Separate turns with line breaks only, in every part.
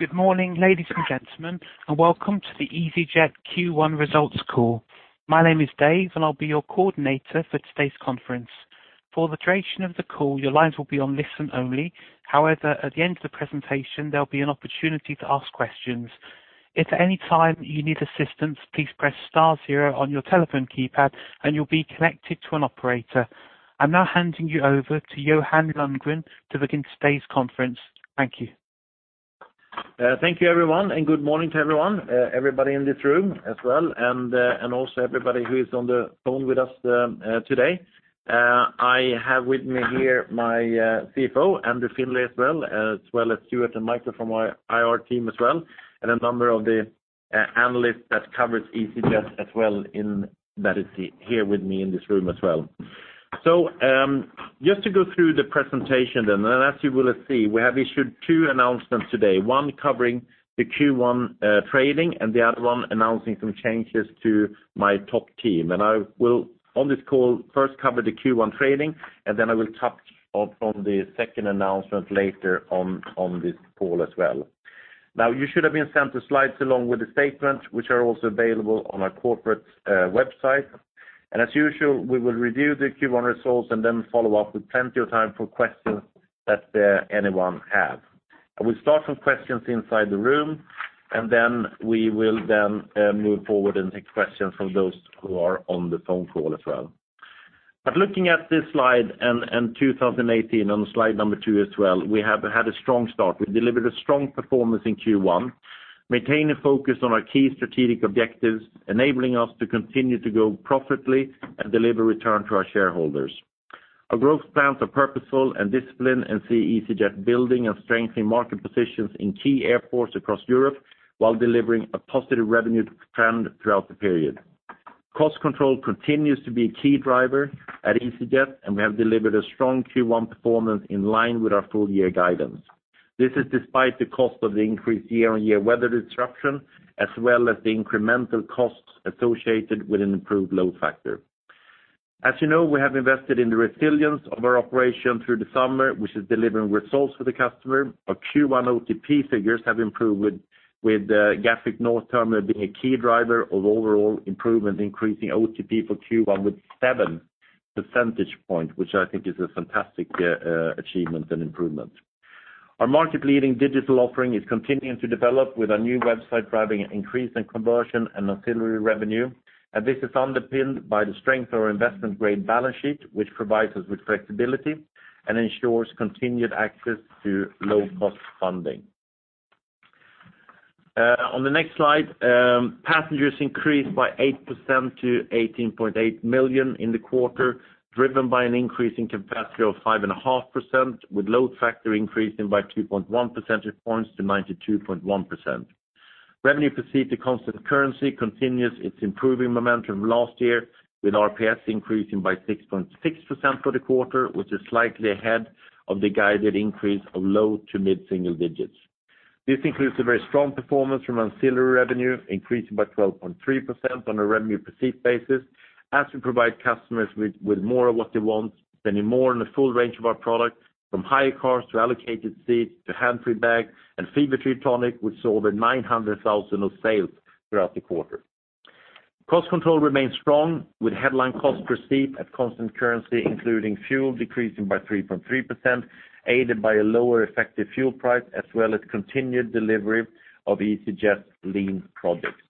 Good morning, ladies and gentlemen, and welcome to the easyJet Q1 results call. My name is Dave, and I'll be your coordinator for today's conference. For the duration of the call, your lines will be on listen only. However, at the end of the presentation, there'll be an opportunity to ask questions. If at any time you need assistance, please press star zero on your telephone keypad, and you'll be connected to an operator. I'm now handing you over to Johan Lundgren to begin today's conference. Thank you.
Thank you everyone. Good morning to everyone, everybody in this room as well, and also everybody who is on the phone with us today. I have with me here my CFO, Andrew Findlay, as well as Stuart and Michael from our IR team as well, and a number of the analysts that covers easyJet as well that is here with me in this room as well. Just to go through the presentation. As you will see, we have issued two announcements today, one covering the Q1 trading and the other one announcing some changes to my top team. I will on this call first cover the Q1 trading, then I will touch on the second announcement later on this call as well. You should have been sent the slides along with the statement, which are also available on our corporate website. As usual, we will review the Q1 results, then follow up with plenty of time for questions that anyone have. We'll start some questions inside the room, then we will move forward and take questions from those who are on the phone call as well. Looking at this slide and 2018 on slide number two as well, we have had a strong start. We delivered a strong performance in Q1, maintaining focus on our key strategic objectives, enabling us to continue to grow profitably and deliver return to our shareholders. Our growth plans are purposeful and disciplined and see easyJet building and strengthening market positions in key airports across Europe while delivering a positive revenue trend throughout the period. Cost control continues to be a key driver at easyJet. We have delivered a strong Q1 performance in line with our full year guidance. This is despite the cost of the increased year-on-year weather disruption, as well as the incremental costs associated with an improved load factor. As you know, we have invested in the resilience of our operation through the summer, which is delivering results for the customer. Our Q1 OTP figures have improved with Gatwick North terminal being a key driver of overall improvement, increasing OTP for Q1 with seven percentage points, which I think is a fantastic achievement and improvement. Our market-leading digital offering is continuing to develop with our new website driving an increase in conversion and ancillary revenue. This is underpinned by the strength of our investment-grade balance sheet, which provides us with flexibility and ensures continued access to low-cost funding. On the next slide, passengers increased by 8% to 18.8 million in the quarter, driven by an increase in capacity of 5.5% with load factor increasing by 2.1 percentage points to 92.1%. Revenue per seat to constant currency continues its improving momentum last year with RPS increasing by 6.6% for the quarter, which is slightly ahead of the guided increase of low to mid-single digits. This includes a very strong performance from ancillary revenue, increasing by 12.3% on a revenue per seat basis as we provide customers with more of what they want, spending more on the full range of our products from hire cars to allocated seats to Hands Free bag and Fever-Tree tonic. We saw over 900,000 of sales throughout the quarter. Cost control remains strong with headline cost per seat at constant currency including fuel decreasing by 3.3%, aided by a lower effective fuel price as well as continued delivery of easyJet Lean projects.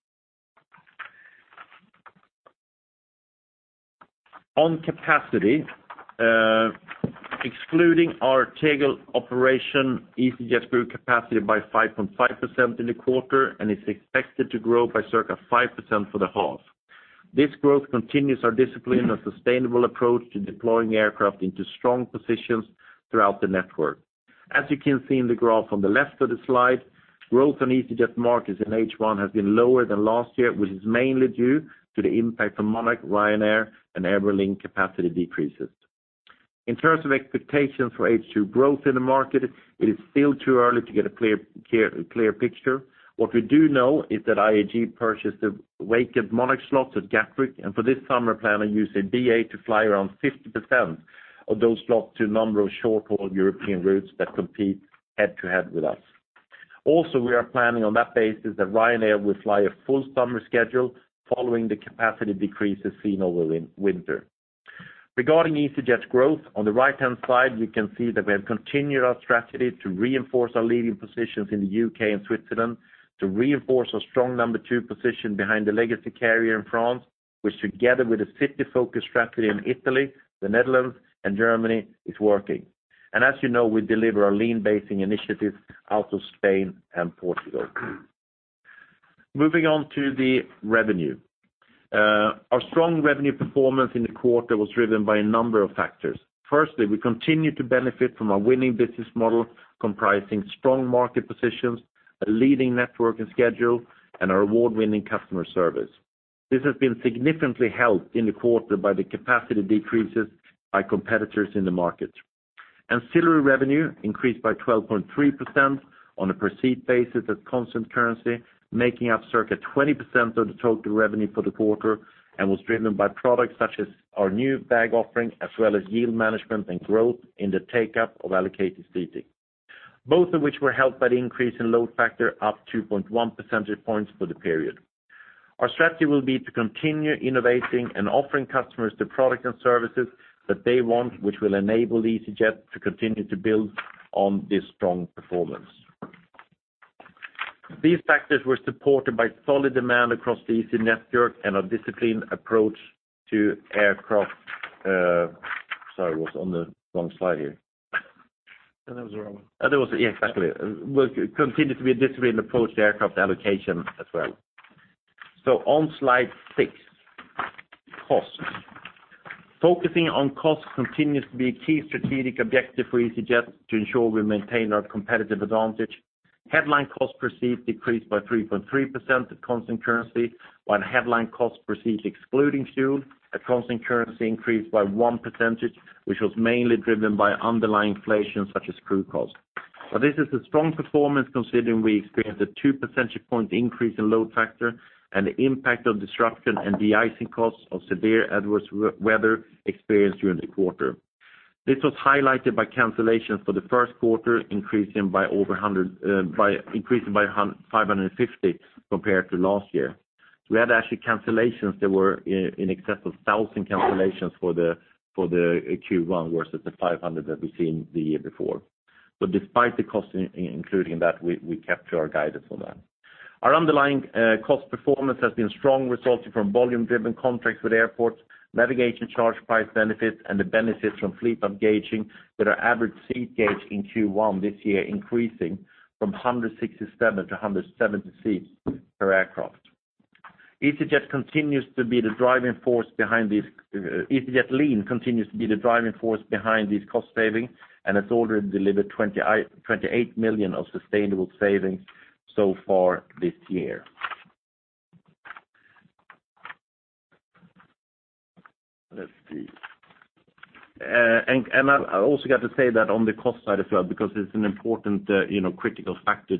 On capacity, excluding our Tegel operation, easyJet grew capacity by 5.5% in the quarter and is expected to grow by circa 5% for the half. This growth continues our discipline and sustainable approach to deploying aircraft into strong positions throughout the network. As you can see in the graph on the left of the slide, growth on easyJet markets in H1 has been lower than last year, which is mainly due to the impact from Monarch, Ryanair, and Aer Lingus capacity decreases. In terms of expectations for H2 growth in the market, it is still too early to get a clear picture. What we do know is that IAG purchased the vacant Monarch slots at Gatwick, and for this summer plan on using BA to fly around 50% of those slots to a number of short-haul European routes that compete head-to-head with us. Also, we are planning on that basis that Ryanair will fly a full summer schedule following the capacity decreases seen over winter. Regarding easyJet's growth, on the right-hand side, we can see that we have continued our strategy to reinforce our leading positions in the U.K. and Switzerland to reinforce our strong number two position behind the legacy carrier in France, which together with a city focus strategy in Italy, the Netherlands, and Germany, is working. As you know, we deliver our lean basing initiatives out of Spain and Portugal. Moving on to the revenue. Our strong revenue performance in the quarter was driven by a number of factors. Firstly, we continue to benefit from our winning business model comprising strong market positions, a leading network and schedule, and our award-winning customer service. This has been significantly helped in the quarter by the capacity decreases by competitors in the market. Ancillary revenue increased by 12.3% on a per seat basis at constant currency, making up circa 20% of the total revenue for the quarter and was driven by products such as our new bag offering as well as yield management and growth in the take-up of allocated seating, both of which were helped by the increase in load factor up 2.1 percentage points for the period. Our strategy will be to continue innovating and offering customers the product and services that they want, which will enable easyJet to continue to build on this strong performance. These factors were supported by solid demand across the easyJet network and a disciplined approach to aircraft allocation as well. On slide six, costs. Focusing on costs continues to be a key strategic objective for easyJet to ensure we maintain our competitive advantage. Headline cost per seat decreased by 3.3% at constant currency, while headline cost per seat excluding fuel at constant currency increased by 1 percentage, which was mainly driven by underlying inflation such as crew costs. This is a strong performance considering we experienced a 2 percentage point increase in load factor and the impact of disruption and de-icing costs of severe adverse weather experienced during the quarter. This was highlighted by cancellations for the first quarter increasing by 550 compared to last year. We had actually cancellations that were in excess of 1,000 cancellations for the Q1 versus the 500 that we seen the year before. Despite the cost including that, we kept to our guidance on that. Our underlying cost performance has been strong, resulting from volume-driven contracts with airports, navigation charge price benefits, and the benefits from fleet up-gauging with our average seat gauge in Q1 this year increasing from 167 to 170 seats per aircraft. easyJet Lean continues to be the driving force behind these cost savings and has already delivered 28 million of sustainable savings so far this year. Let's see. I also got to say that on the cost side as well, because it's an important critical factor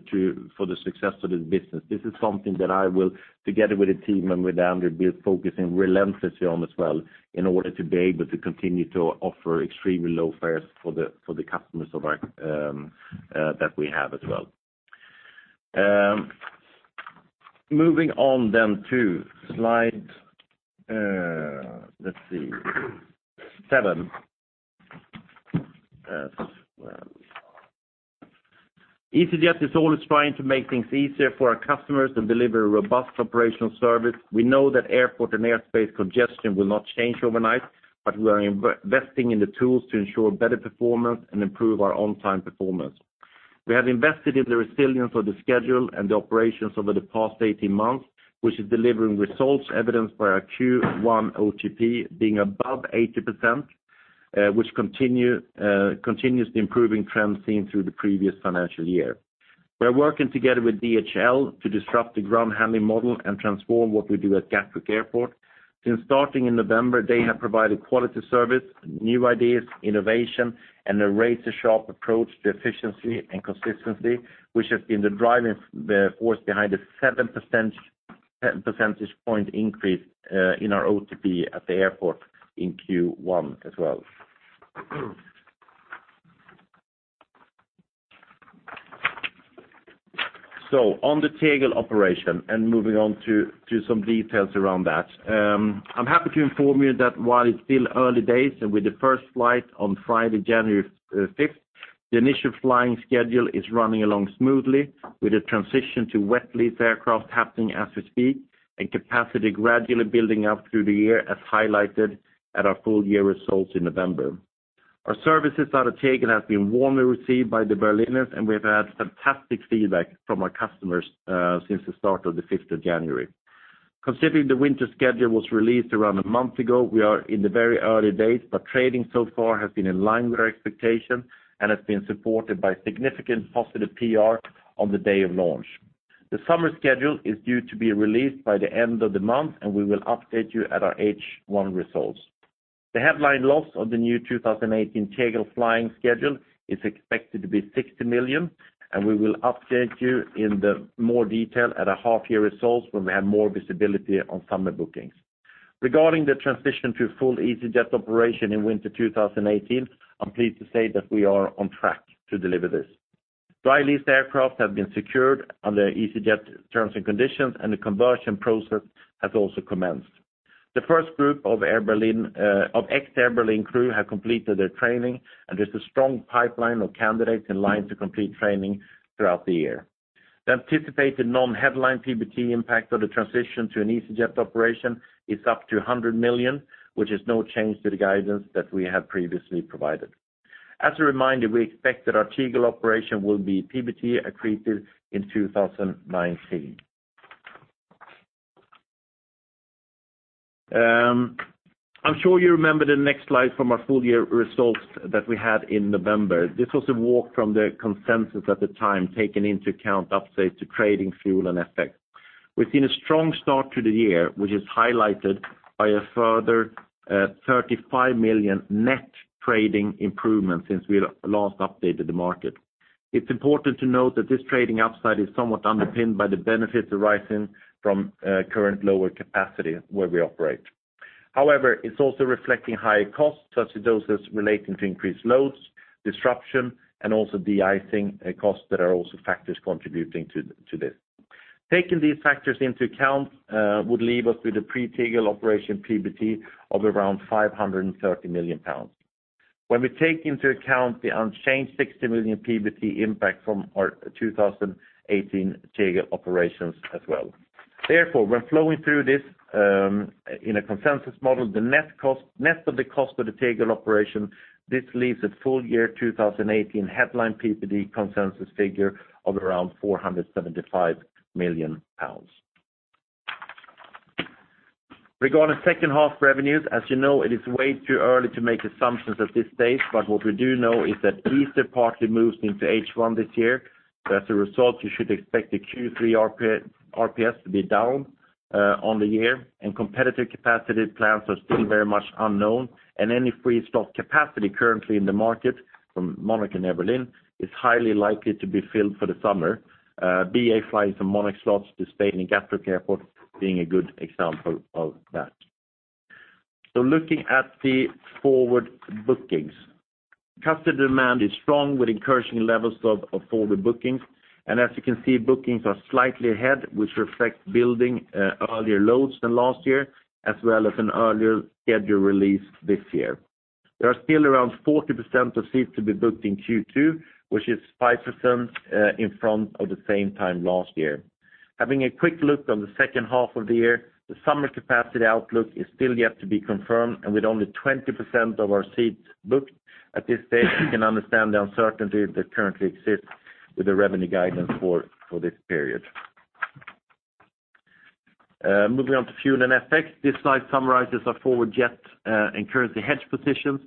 for the success of this business. This is something that I will, together with the team and with Andrew, be focusing relentlessly on as well in order to be able to continue to offer extremely low fares for the customers that we have as well. Moving on to slide seven. easyJet is always trying to make things easier for our customers and deliver a robust operational service. We know that airport and airspace congestion will not change overnight, we are investing in the tools to ensure better performance and improve our on-time performance. We have invested in the resilience of the schedule and the operations over the past 18 months, which is delivering results evidenced by our Q1 OTP being above 80%, which continues the improving trend seen through the previous financial year. We are working together with DHL to disrupt the ground handling model and transform what we do at Gatwick Airport. Since starting in November, they have provided quality service, new ideas, innovation and a razor-sharp approach to efficiency and consistency, which has been the driving force behind the 7 percentage point increase in our OTP at the airport in Q1 as well. On the Tegel operation and moving on to some details around that. I'm happy to inform you that while it's still early days and with the first flight on Friday, January 5th, the initial flying schedule is running along smoothly with the transition to wet-leased aircraft happening as we speak and capacity gradually building up through the year as highlighted at our full year results in November. Our services out of Tegel has been warmly received by the Berliners. We've had fantastic feedback from our customers since the start of the 5th of January. Considering the winter schedule was released around a month ago, we are in the very early days. Trading so far has been in line with our expectation and has been supported by significant positive PR on the day of launch. The summer schedule is due to be released by the end of the month. We will update you at our H1 results. The headline loss of the new 2018 Tegel flying schedule is expected to be 60 million. We will update you in more detail at our half year results when we have more visibility on summer bookings. Regarding the transition to full easyJet operation in winter 2018, I'm pleased to say that we are on track to deliver this. Dry-leased aircraft have been secured under easyJet terms and conditions. The conversion process has also commenced. The first group of ex-Air Berlin crew have completed their training. There's a strong pipeline of candidates in line to complete training throughout the year. The anticipated non-headline PBT impact of the transition to an easyJet operation is up to 100 million, which is no change to the guidance that we have previously provided. As a reminder, we expect that our Tegel operation will be PBT accretive in 2019. I'm sure you remember the next slide from our full year results that we had in November. This was a walk from the consensus at the time, taking into account updates to trading, fuel, and FX. We've seen a strong start to the year, which is highlighted by a further 35 million net trading improvement since we last updated the market. It is important to note that this trading upside is somewhat underpinned by the benefits arising from current lower capacity where we operate. However, it is also reflecting higher costs, such as those relating to increased loads, disruption, and also de-icing costs that are also factors contributing to this. Taking these factors into account would leave us with a pre-Tegel operation PBT of around 530 million pounds, when we take into account the unchanged 60 million PBT impact from our 2018 Tegel operations as well. When flowing through this in a consensus model, the net of the cost of the Tegel operation, this leaves a full-year 2018 headline PBT consensus figure of around 475 million pounds. Regarding second half revenues, as you know, it is way too early to make assumptions at this stage. What we do know is that Easter partly moves into H1 this year. As a result, you should expect the Q3 RPS to be down on the year. Competitive capacity plans are still very much unknown. Any free slot capacity currently in the market from Munich and Berlin is highly likely to be filled for the summer. BA flights from Munich slots to Spain and Gatwick Airport being a good example of that. Looking at the forward bookings. Customer demand is strong with encouraging levels of forward bookings. As you can see, bookings are slightly ahead, which reflect building earlier loads than last year, as well as an earlier schedule release this year. There are still around 40% of seats to be booked in Q2, which is 5% in front of the same time last year. Having a quick look on the second half of the year, the summer capacity outlook is still yet to be confirmed, and with only 20% of our seats booked at this stage, you can understand the uncertainty that currently exists with the revenue guidance for this period. Moving on to fuel and FX. This slide summarizes our forward jet and currency hedge positions.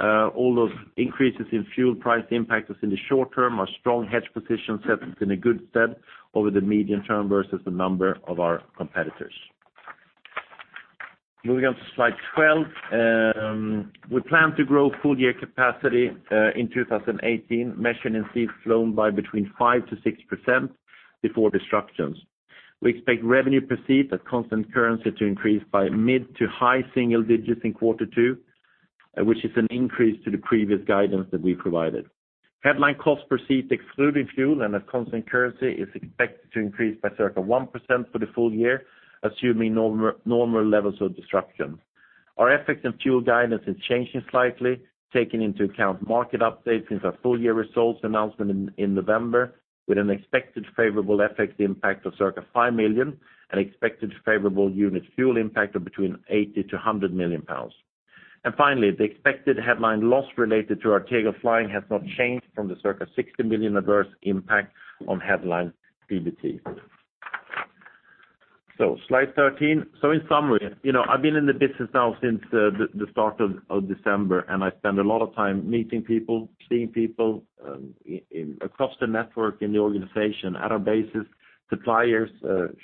Although increases in fuel price impact us in the short term, our strong hedge position sets us in a good stead over the medium term versus the number of our competitors. Moving on to slide 12. We plan to grow full-year capacity in 2018, measured in seats flown by between 5% to 6% before disruptions. We expect revenue per seat at constant currency to increase by mid to high single digits in quarter two, which is an increase to the previous guidance that we provided. Headline cost per seat, excluding fuel and at constant currency, is expected to increase by circa 1% for the full year, assuming normal levels of disruption. Our FX and fuel guidance is changing slightly, taking into account market updates since our full-year results announcement in November, with an expected favorable FX impact of circa 5 million and expected favorable unit fuel impact of between 80 million pounds to 100 million pounds. Finally, the expected headline loss related to our Tegel flying has not changed from the circa 60 million adverse impact on headline PBT. Slide 13. In summary, I've been in the business now since the start of December, and I spend a lot of time meeting people, seeing people across the network in the organization at our bases, suppliers,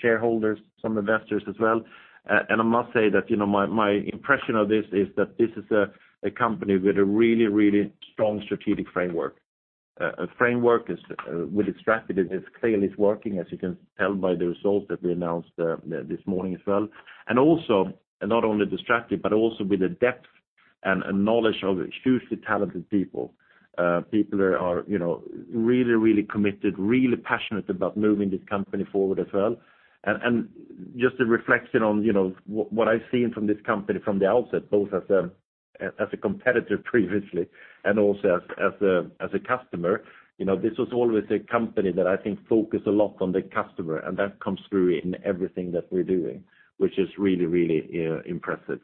shareholders, some investors as well, and I must say that my impression of this is that this is a company with a really strong strategic framework. A framework with a strategy that clearly is working, as you can tell by the results that we announced this morning as well, and also not only the strategy but also with the depth and knowledge of hugely talented people. People are really committed, really passionate about moving this company forward as well. Just a reflection on what I've seen from this company from the outset, both as a competitor previously and also as a customer. This was always a company that I think focused a lot on the customer, and that comes through in everything that we're doing, which is really impressive.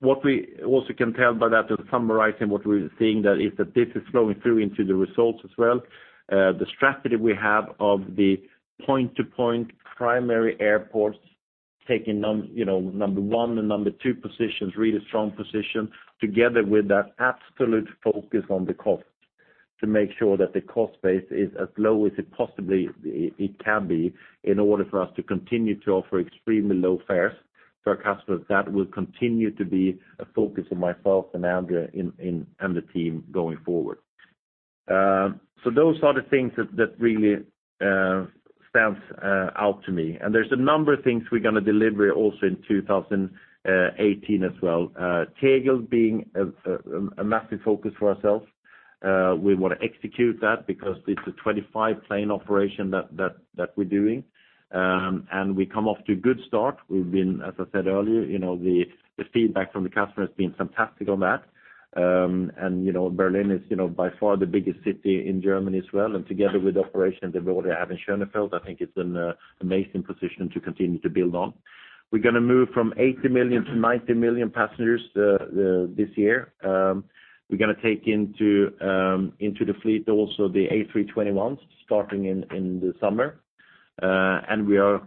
What we also can tell by that, and summarizing what we're seeing, that is that this is flowing through into the results as well. The strategy we have of the point-to-point primary airports taking number 1 and number 2 positions, really strong position, together with that absolute focus on the cost to make sure that the cost base is as low as it possibly can be in order for us to continue to offer extremely low fares to our customers. That will continue to be a focus of myself and Andrew and the team going forward. Those are the things that really stands out to me, and there's a number of things we're going to deliver also in 2018 as well. Tegel being a massive focus for ourselves. We want to execute that because it's a 25-plane operation that we're doing, and we come off to a good start. As I said earlier, the feedback from the customer has been fantastic on that. Berlin is by far the biggest city in Germany as well, and together with the operation that we already have in Schönefeld, I think it's an amazing position to continue to build on. We're going to move from 80 million to 90 million passengers this year. We're going to take into the fleet also the A321s starting in the summer. We are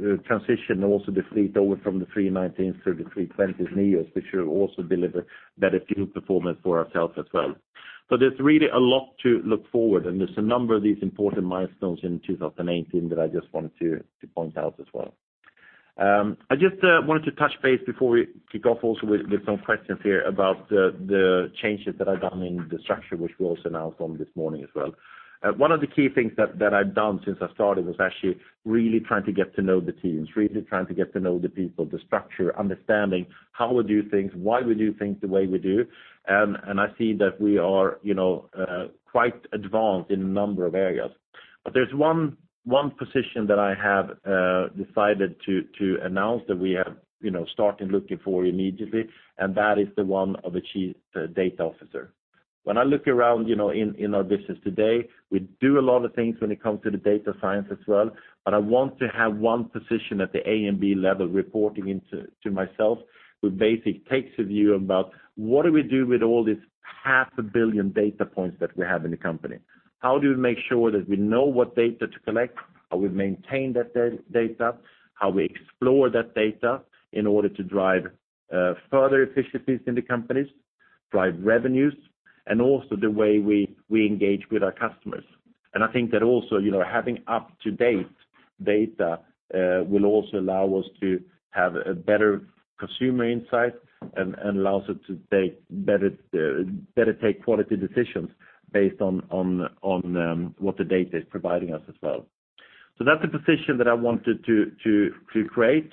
transitioning also the fleet over from the A319s to the A320neos, which should also deliver better fuel performance for ourselves as well. There's really a lot to look forward to, and there's a number of these important milestones in 2018 that I just wanted to point out as well. I just wanted to touch base before we kick off also with some questions here about the changes that I've done in the structure, which we also announced on this morning as well. One of the key things that I've done since I started was actually really trying to get to know the teams, really trying to get to know the people, the structure, understanding how we do things, why we do things the way we do. I see that we are quite advanced in a number of areas. There's one position that I have decided to announce that we have started looking for immediately, and that is the one of a Chief Data Officer. When I look around in our business today, we do a lot of things when it comes to the data science as well, but I want to have one position at the AMB level reporting into to myself who basic takes a view about what do we do with all these half a billion data points that we have in the company. How do we make sure that we know what data to collect, how we maintain that data, how we explore that data in order to drive further efficiencies in the companies, drive revenues, and also the way we engage with our customers. I think that also, having up-to-date data will also allow us to have a better consumer insight and allows us to better take quality decisions based on what the data is providing us as well. That's a position that I wanted to create.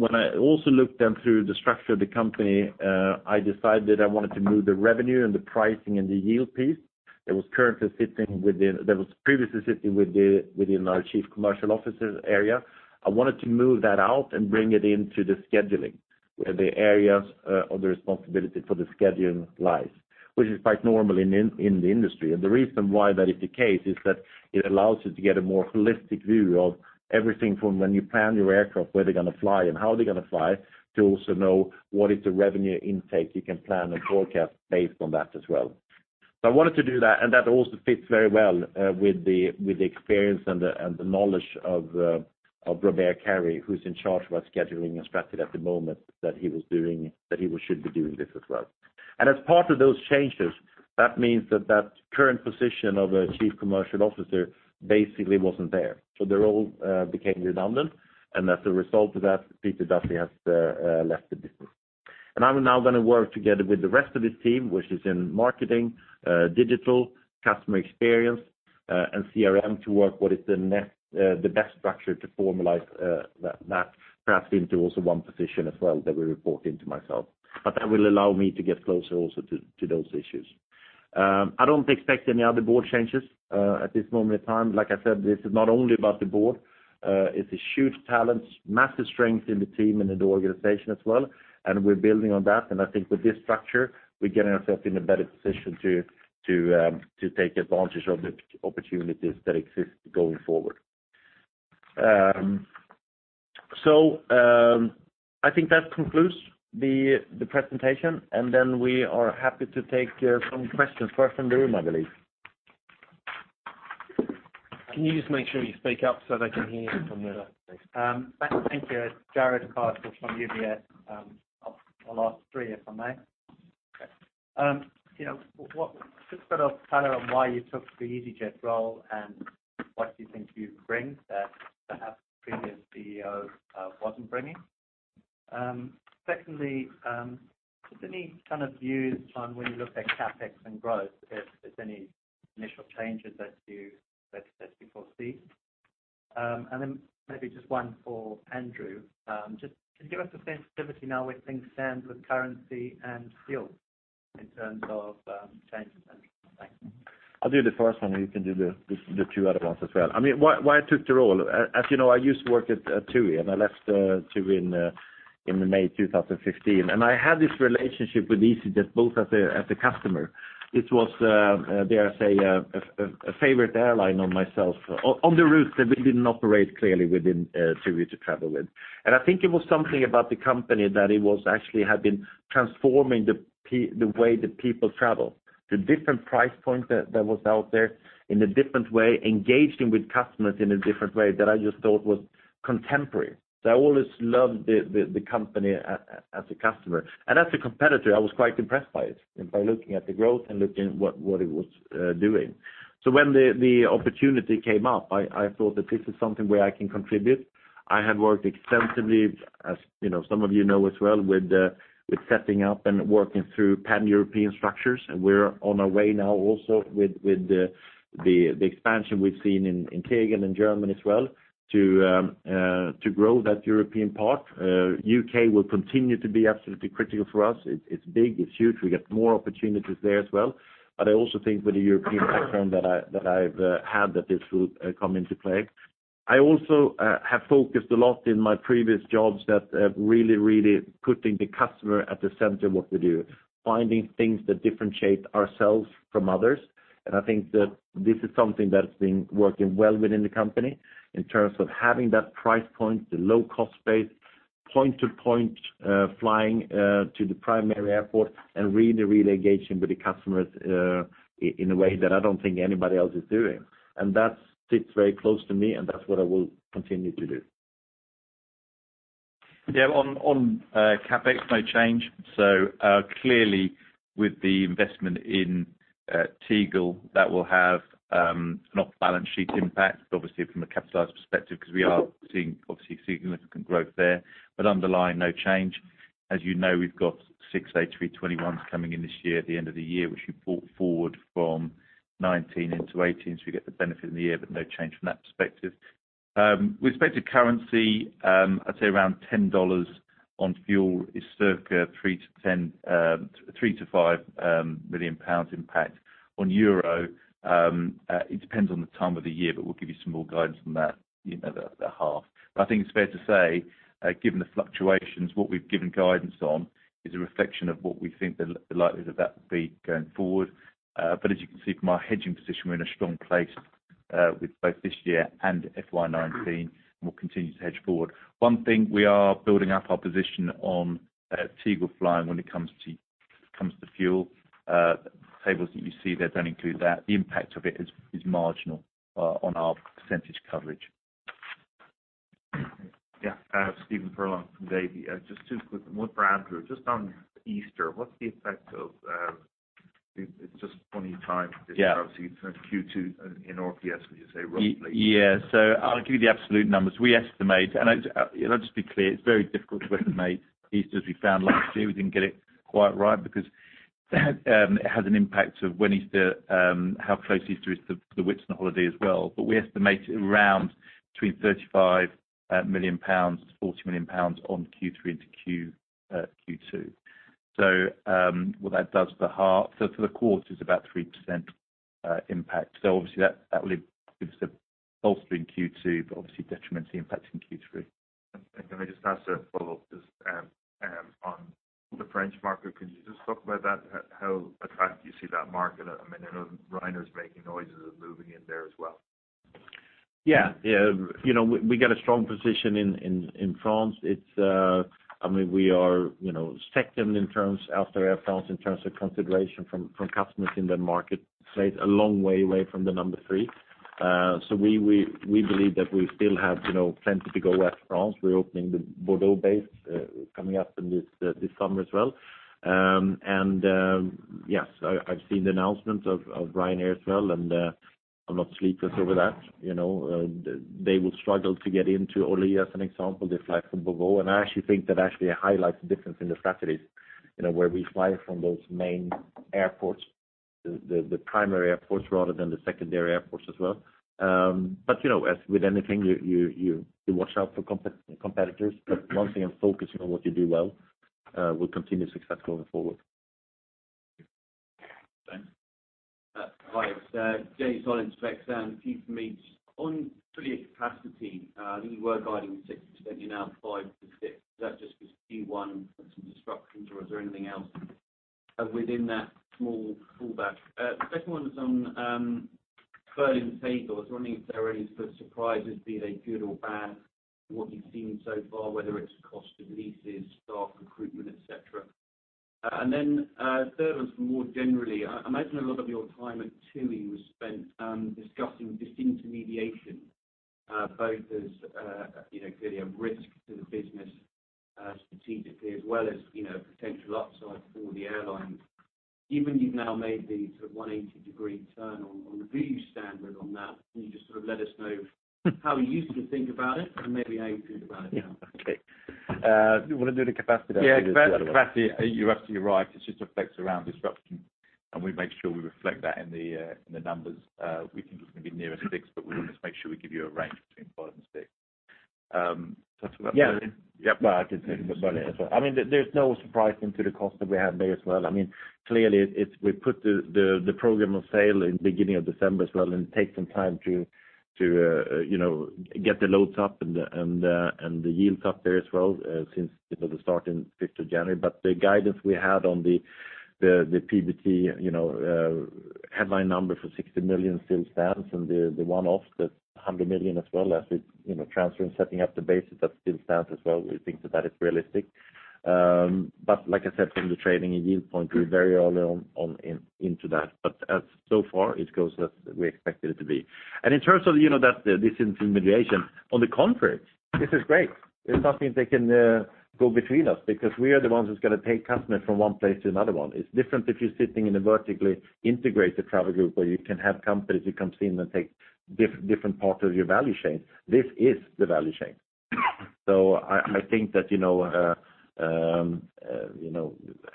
When I also looked down through the structure of the company, I decided I wanted to move the revenue and the pricing and the yield piece that was previously sitting within our Chief Commercial Officer's area. I wanted to move that out and bring it into the scheduling, where the areas of the responsibility for the scheduling lies, which is quite normal in the industry. The reason why that is the case is that it allows you to get a more holistic view of everything from when you plan your aircraft, where they're going to fly and how they're going to fly, to also know what is the revenue intake you can plan and forecast based on that as well. I wanted to do that, and that also fits very well with the experience and the knowledge of Robert Carey, who's in charge of our scheduling and strategy at the moment, that he should be doing this as well. As part of those changes, that means that that current position of a Chief Commercial Officer basically wasn't there. The role became redundant. As a result of that, Peter Duffy has left the business. I'm now going to work together with the rest of his team, which is in marketing, digital, customer experience, and CRM to work what is the best structure to formalize that, perhaps into also one position as well that will report into myself. That will allow me to get closer also to those issues. I don't expect any other board changes at this moment in time. Like I said, this is not only about the board. It's a huge talent, massive strength in the team and in the organization as well, and we're building on that. I think with this structure, we're getting ourselves in a better position to take advantage of the opportunities that exist going forward. I think that concludes the presentation. We are happy to take some questions first from the room, I believe.
Can you just make sure you speak up so they can hear you from the back, please?
Thank you. It's Jarrod Castle from UBS. I'll ask three, if I may.
Okay.
Just to get a color on why you took the easyJet role and what do you think you bring that perhaps the previous CEO wasn't bringing? Secondly, just any kind of views on when you look at CapEx and growth, if there's any initial changes that you foresee? Maybe just one for Andrew. Just can you give us a sensitivity now where things stand with currency and fuel in terms of changes and Thanks.
I'll do the first one, and you can do the two other ones as well. Why I took the role. As you know, I used to work at TUI. I left TUI in May 2015. I had this relationship with easyJet, both as a customer. It was, dare I say, a favorite airline of myself on the route that we didn't operate clearly within TUI to travel with. I think it was something about the company that it was actually had been transforming the way that people travel. The different price point that was out there in a different way, engaging with customers in a different way that I just thought was contemporary. I always loved the company as a customer. As a competitor, I was quite impressed by it and by looking at the growth and looking at what it was doing. When the opportunity came up, I thought that this is something where I can contribute. I had worked extensively, as some of you know as well, with setting up and working through Pan-European structures. We're on our way now also with the expansion we've seen in Tegel and German as well to grow that European part. U.K. will continue to be absolutely critical for us. It's big, it's huge. We get more opportunities there as well. I also think with the European background that I've had, that this will come into play. I also have focused a lot in my previous jobs that really putting the customer at the center of what we do, finding things that differentiate ourselves from others. I think that this is something that's been working well within the company in terms of having that price point, the low-cost base, point-to-point flying to the primary airport and really engaging with the customers in a way that I don't think anybody else is doing. That sits very close to me, and that's what I will continue to do.
Yeah. On CapEx, no change. Clearly, with the investment in Tegel, that will have an off-balance-sheet impact, obviously, from a capitalized perspective, because we are seeing significant growth there. Underlying, no change. As you know, we've got six A321s coming in this year at the end of the year, which we brought forward from 2019 into 2018, so we get the benefit of the year, but no change from that perspective. With respect to currency, I'd say around $10 on fuel is circa 3 million-5 million pounds impact. On EUR, it depends on the time of the year, but we'll give you some more guidance on that at the half. I think it's fair to say, given the fluctuations, what we've given guidance on is a reflection of what we think the likelihood of that will be going forward. As you can see from our hedging position, we're in a strong place with both this year and FY 2019, and we'll continue to hedge forward. One thing, we are building up our position on Tegel flying when it comes to fuel. The tables that you see there don't include that. The impact of it is marginal on our % coverage.
Yeah. Stephen Furlong from Davy. Just two. One for Andrew. Just on Easter, what's the effect of, it's just funny times Yeah obviously in terms of Q2 in RPS, would you say roughly?
Yeah. I'll give you the absolute numbers. We estimate, and I'll just be clear, it's very difficult to estimate Easter, as we found last year. We didn't get it quite right because it has an impact of how close Easter is to the Whitsun holiday as well. We estimate it around between 35 million pounds and 40 million pounds on Q3 into Q2. What that does for the quarter is about 3% impact. Obviously, that will give us a bolster in Q2, but obviously detrimentally impacts in Q3.
Can I just ask a follow-up? Just on the French market, can you just talk about that? How attractive do you see that market? I know Ryanair's making noises of moving in there as well.
We got a strong position in France. We are second after Air France in terms of consideration from customers in the market. It's a long way away from the number 3. We believe that we still have plenty to go after France. We're opening the Bordeaux base coming up in this summer as well. Yes, I've seen the announcements of Ryanair as well, and I'm not sleepless over that. They will struggle to get into Orly, as an example. They fly from Bordeaux. I actually think that actually highlights the difference in the strategies, where we fly from those main airports, the primary airports, rather than the secondary airports as well. With anything, you watch out for competitors. The one thing of focusing on what you do well, we'll continue success going forward.
Thanks.
Hi. It's James Onions from Exane. Two from me. On full year capacity, I think you were guiding 6%, you're now 5-6. Is that just because Q1 had some disruptions or is there anything else within that small pullback? Second one is on Berlin Tegel. I was wondering if there are any sort of surprises, be they good or bad, what you've seen so far, whether it's cost of leases, staff recruitment, et cetera. Then third one's for more generally. I imagine a lot of your time at TUI was spent discussing disintermediation both as clearly a risk to the business strategically as well as potential upsell for the airline. Even you've now made the 180-degree turn on standard on that. Can you just let us know how you used to think about it and maybe how you feel about it now?
Do you want to do the capacity?
Yeah. Capacity, you're absolutely right. It just affects around disruption, and we make sure we reflect that in the numbers. We think it's going to be nearer six, but we just make sure we give you a range between five and six. Touch about Berlin?
Yeah.
Yep.
I can take Berlin as well. There's no surprise into the cost that we have there as well. Clearly, we put the program on sale in beginning of December as well, and it takes some time to get the loads up and the yields up there as well since the start in 5th of January. The guidance we had on the PBT headline number for 60 million still stands, and the one-off, the 100 million as well as with transfer and setting up the bases, that still stands as well. We think that that is realistic. Like I said, from the trading and yield point, we're very early into that. So far, it goes as we expected it to be. In terms of that disintermediation, on the contrary, this is great. It's not mean they can go between us because we are the ones who's going to take customers from one place to another one. It's different if you're sitting in a vertically integrated travel group where you can have companies who comes in and take different parts of your value chain. This is the value chain. I think that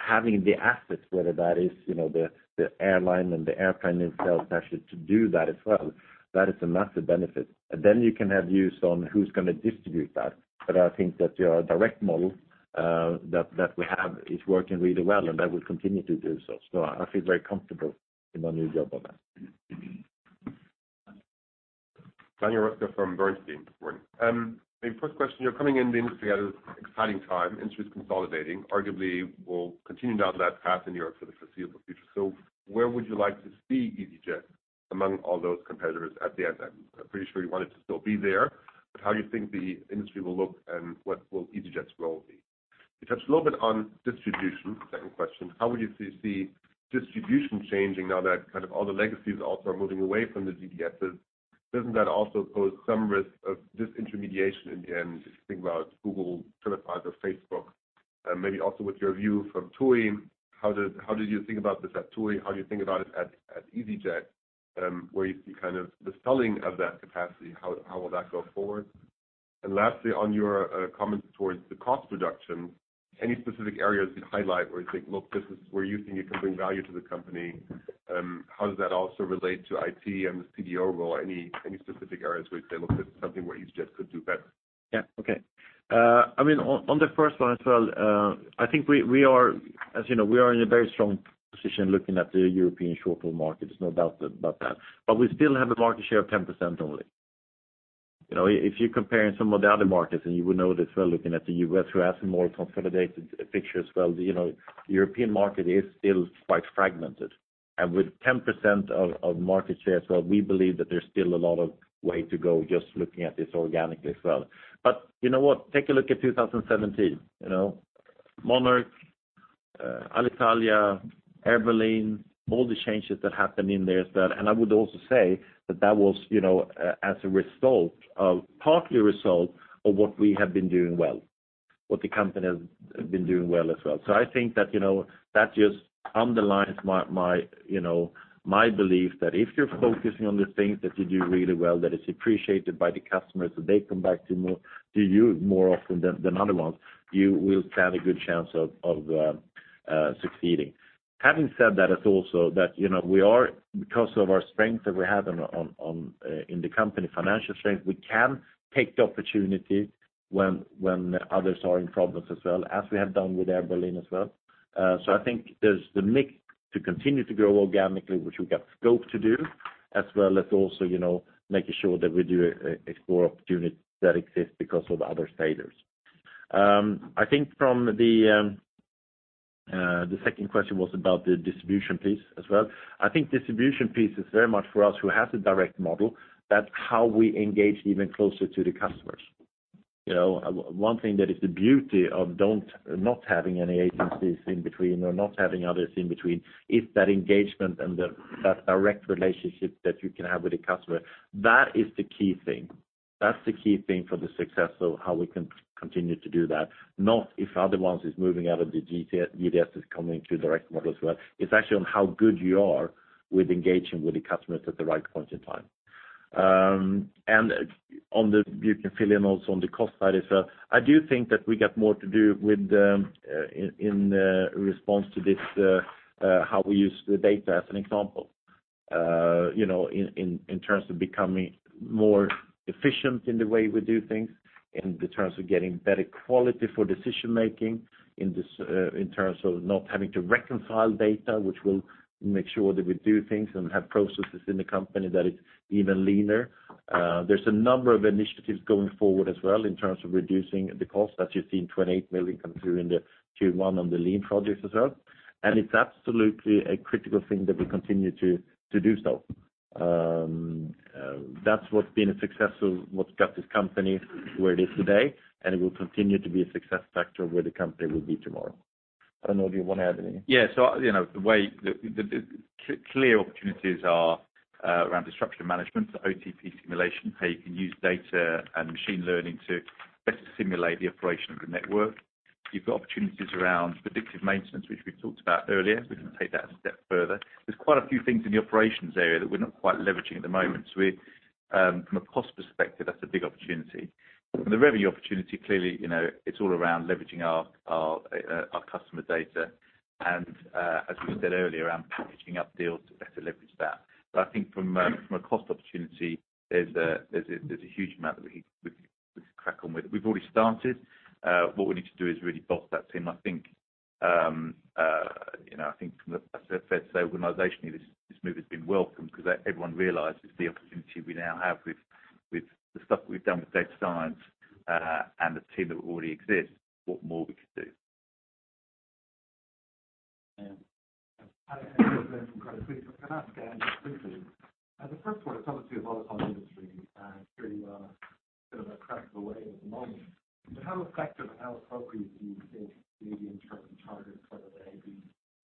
having the assets, whether that is the airline and the airplane itself actually to do that as well, that is a massive benefit. You can have views on who's going to distribute that. I think that our direct model that we have is working really well, and that will continue to do so. I feel very comfortable in my new job on that.
Daniel Roeska from Bernstein. The first question, you're coming in the industry at an exciting time. Industry's consolidating, arguably will continue down that path in Europe for the foreseeable future. Where would you like to see easyJet among all those competitors at the end then? I'm pretty sure you want it to still be there, but how do you think the industry will look and what will easyJet's role be? It touched a little bit on distribution. Second question, how would you see distribution changing now that all the legacies also are moving away from the GDSs? Doesn't that also pose some risk of disintermediation in the end if you think about Google, TripAdvisor, Facebook? Maybe also with your view from TUI, how did you think about this at TUI? How do you think about it at easyJet, where you see the selling of that capacity? How will that go forward? Lastly, on your comments towards the cost reduction, any specific areas you'd highlight where you think you can bring value to the company? How does that also relate to IT and the CDO role? Any specific areas where you'd say, look, this is something where easyJet could do better?
Yeah. Okay. On the first one as well, I think we are in a very strong position looking at the European short-haul market. There's no doubt about that. We still have a market share of 10% only. If you're comparing some of the other markets, and you would know this well, looking at the U.S. who has a more consolidated picture as well, the European market is still quite fragmented. With 10% of market share as well, we believe that there's still a lot of way to go just looking at this organically as well. You know what? Take a look at 2017. Monarch, Alitalia, Air Berlin, all the changes that happened in there as well. I would also say that that was partly a result of what we have been doing well, what the company has been doing well as well. I think that just underlines my belief that if you're focusing on the things that you do really well, that is appreciated by the customers, that they come back to you more often than other ones, you will stand a good chance of succeeding. Having said that as also that, because of our strength that we have in the company, financial strength, we can take the opportunity when others are in problems as well, as we have done with Air Berlin as well. I think there's the mix to continue to grow organically, which we've got scope to do, as well as also making sure that we do explore opportunities that exist because of other failures. I think the second question was about the distribution piece as well. I think distribution piece is very much for us who has a direct model, that's how we engage even closer to the customers. One thing that is the beauty of not having any agencies in between or not having others in between is that engagement and that direct relationship that you can have with the customer. That is the key thing. That's the key thing for the success of how we can continue to do that. Not if other ones is moving out of the GDS, is coming to direct model as well. It's actually on how good you are with engaging with the customers at the right point in time. You can fill in also on the cost side as well. I do think that we got more to do in response to this, how we use the data as an example, in terms of becoming more efficient in the way we do things, in the terms of getting better quality for decision-making, in terms of not having to reconcile data, which will make sure that we do things and have processes in the company that is even leaner. There's a number of initiatives going forward as well in terms of reducing the cost, as you've seen, 28 million coming through in the Q1 on the easyJet Lean projects as well. It's absolutely a critical thing that we continue to do so. That's what's been a success of what got this company where it is today, and it will continue to be a success factor of where the company will be tomorrow. I don't know, do you want to add anything?
Yeah. Clear opportunities are around the structure management, the OTP simulation, how you can use data and machine learning to better simulate the operation of the network. You've got opportunities around predictive maintenance, which we talked about earlier. We can take that a step further. There's quite a few things in the operations area that we're not quite leveraging at the moment. From a cost perspective, that's a big opportunity. The revenue opportunity, clearly, it's all around leveraging our customer data and, as we said earlier, around packaging up deals to better leverage that. I think from a cost opportunity, there's a huge amount that we could crack on with. We've already started. What we need to do is really boss that team. I think from the organization, this move has been welcomed because everyone realizes the opportunity we now have with the stuff we've done with data science and the team that already exists, what more we could do.
Yeah.
Hi, Andrew Glenn from Credit Suisse. Can I ask, Dan, just briefly. The first one is obviously a volatile industry, and clearly you are sort of a crack away at the moment. How effective and how appropriate do you think the medium-term targets, whether they be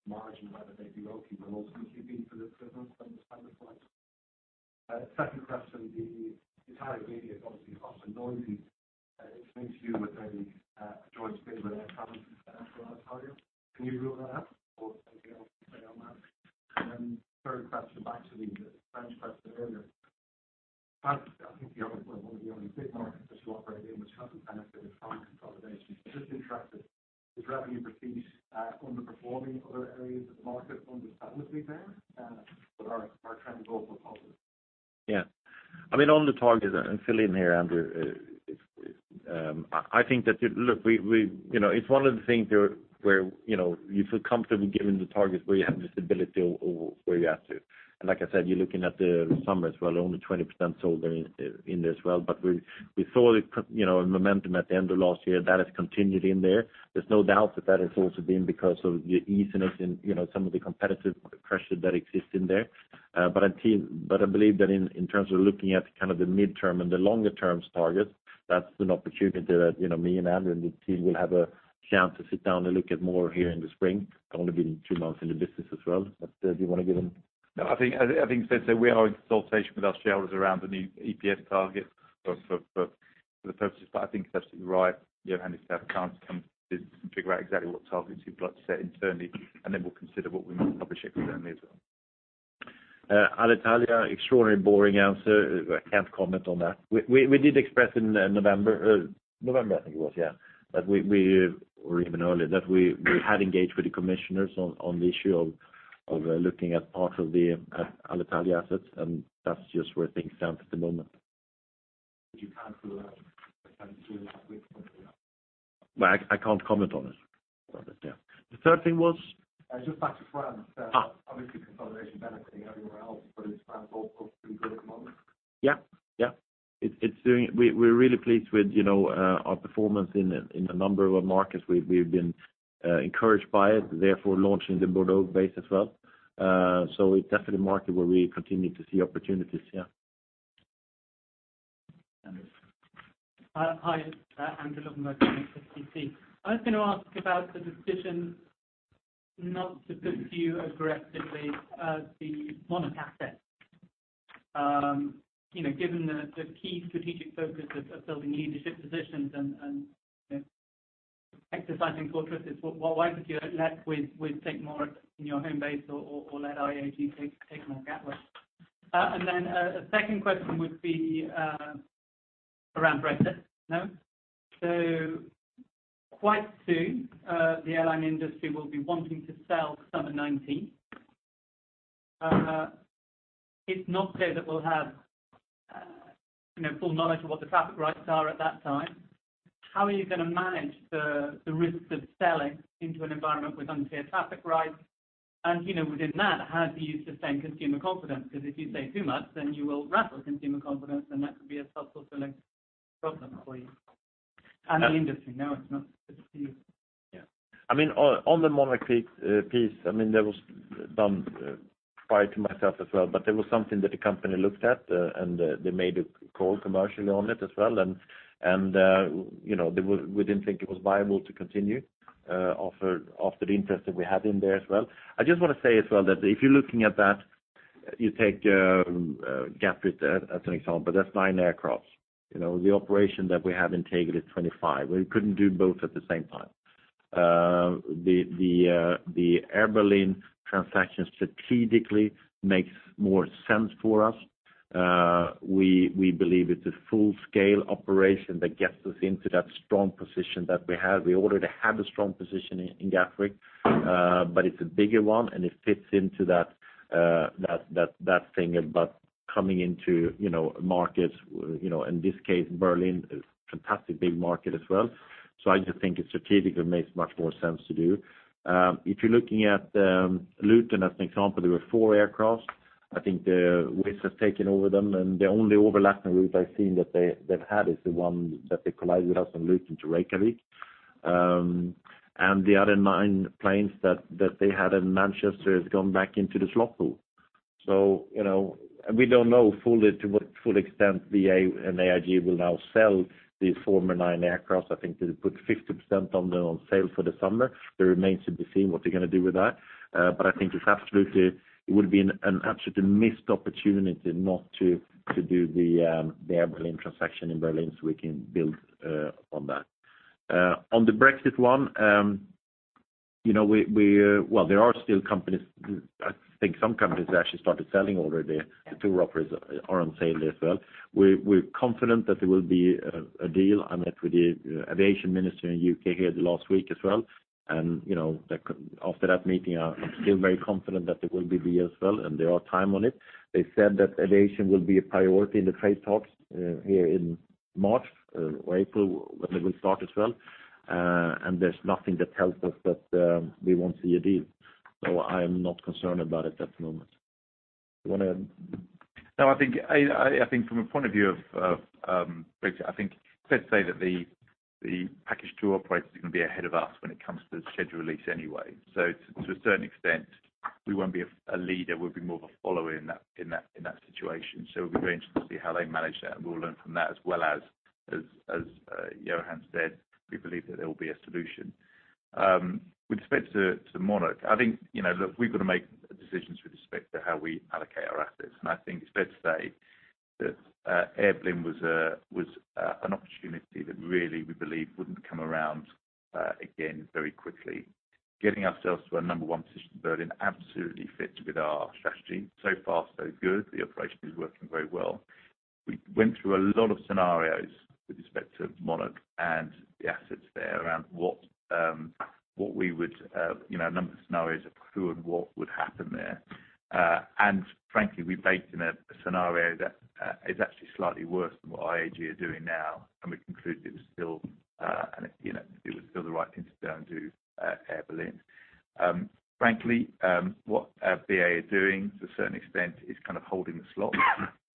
margin, whether they be ROCE, will ultimately be for this business over the cycle? Second question, the entire media is obviously hot and noisy. There's an interview with a joint statement from IAG and Alitalia. Can you rule that out or anything else to say on that? Then third question, back to the French question earlier. France, I think the only one of the only big markets that you operate in which hasn't benefited from consolidation. I'm just interested, is revenue per seat underperforming other areas of the market understandably there? Are trends also positive?
On the targets, fill in here, Andrew, it's one of the things where you feel comfortable giving the targets where you have visibility or where you have to. Like I said, you're looking at the summer as well, only 20% sold in there as well. We saw the momentum at the end of last year. That has continued in there. There's no doubt that that has also been because of the easiness in some of the competitive pressure that exists in there. I believe that in terms of looking at the midterm and the longer terms targets, that's an opportunity that me and Andrew and the team will have a chance to sit down and look at more here in the spring. I've only been two months in the business as well. Do you want to give them?
I think it's fair to say we are in consultation with our shareholders around the new EPS target for the purposes. I think it's absolutely right, Johan and staff have a chance to come and figure out exactly what targets we'd like to set internally, we'll consider what we might publish externally as well.
Alitalia, extraordinary boring answer. I can't comment on that. We did express in November, I think it was, or even earlier, that we had engaged with the commissioners on the issue of looking at part of the Alitalia assets, that's just where things stand at the moment.
Would you cancel that?
I can't comment on it. The third thing was?
Just back to France. Obviously consolidation benefiting everywhere else, is France also a pretty good at the moment?
Yeah. We're really pleased with our performance in a number of markets. We've been encouraged by it, therefore launching the Bordeaux base as well. It's definitely a market where we continue to see opportunities, yeah. Andrew.
Hi, Andrew Logan, HSBC. I was going to ask about the decision not to pursue aggressively the Monarch asset. Given the key strategic focus of building leadership positions and exercising fortress, why would you let Wizz take more in your home base or let IAG take more Gatwick? A second question would be around Brexit. Quite soon, the airline industry will be wanting to sell summer 2019. It's not that we'll have full knowledge of what the traffic rights are at that time. How are you going to manage the risks of selling into an environment with unclear traffic rights? Within that, how do you sustain consumer confidence? If you say too much, then you will rattle consumer confidence, and that could be a self-fulfilling problem for you and the industry. It's not good for you.
On the Monarch piece, there was done prior to myself as well, there was something that the company looked at, they made a call commercially on it as well. We didn't think it was viable to continue off the interest that we had in there as well. I just want to say as well that if you're looking at that, you take Gatwick as an example. That's 9 aircrafts. The operation that we have integrated is 25. We couldn't do both at the same time. The Air Berlin transaction strategically makes more sense for us. We believe it's a full-scale operation that gets us into that strong position that we have. We already have a strong position in Gatwick, it's a bigger one, it fits into that thing about coming into markets, in this case, Berlin is a fantastic big market as well. I just think it strategically makes much more sense to do. If you're looking at Luton as an example, there were 4 aircrafts. I think Wizz has taken over them, the only overlapping route I've seen that they've had is the one that they collided with us from Luton to Reykjavik. The other 9 planes that they had in Manchester has gone back into the slot pool. We don't know to what full extent BA and IAG will now sell the former 9 aircrafts. I think they put 50% on sale for the summer. It remains to be seen what they're going to do with that. I think it would have been an absolute missed opportunity not to do the Air Berlin transaction in Berlin so we can build on that. On the Brexit one, there are still companies, I think some companies have actually started selling already. The tour operators are on sale as well. We're confident that there will be a deal. I met with the aviation minister in U.K. here the last week as well. After that meeting, I'm still very confident that there will be a deal as well, there are time on it. They said that aviation will be a priority in the trade talks here in March or April, when they will start as well. There's nothing that tells us that we won't see a deal. I'm not concerned about it at the moment. You want to?
I think from a point of view of Brexit, I think it's fair to say that the package tour operators are going to be ahead of us when it comes to the schedule release anyway. To a certain extent, we won't be a leader, we'll be more of a follower in that situation. We'll be very interested to see how they manage that, and we'll learn from that as well as Johan said, we believe that there will be a solution. With respect to Monarch, I think, look, we've got to make decisions with respect to how we allocate our assets. I think it's fair to say that Air Berlin was an opportunity that really we believe wouldn't come around again very quickly. Getting ourselves to a number one position in Berlin absolutely fits with our strategy. So far, so good. The operation is working very well. We went through a lot of scenarios with respect to Monarch and the assets there around a number of scenarios of who and what would happen there. Frankly, we baked in a scenario that is actually slightly worse than what IAG are doing now, and we concluded it was still the right thing to go and do Air Berlin. Frankly, what BA are doing to a certain extent is holding the slots.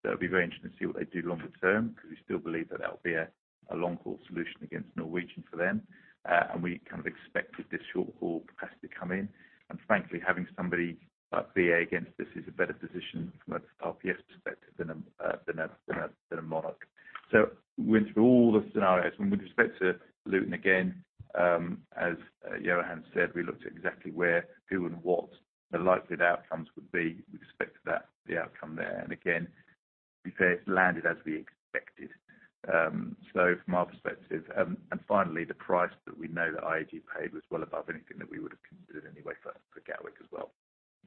It'll be very interesting to see what they do longer term, because we still believe that that will be a long-haul solution against Norwegian for them. We expected this short-haul capacity to come in. Frankly, having somebody like BA against us is a better position from an RPS perspective than a Monarch. We went through all the scenarios. With respect to Luton, again, as Johan said, we looked at exactly where, who, and what the likely outcomes would be. We expected that the outcome there, and again, to be fair, it's landed as we expected. Finally, the price that we know that IAG paid was well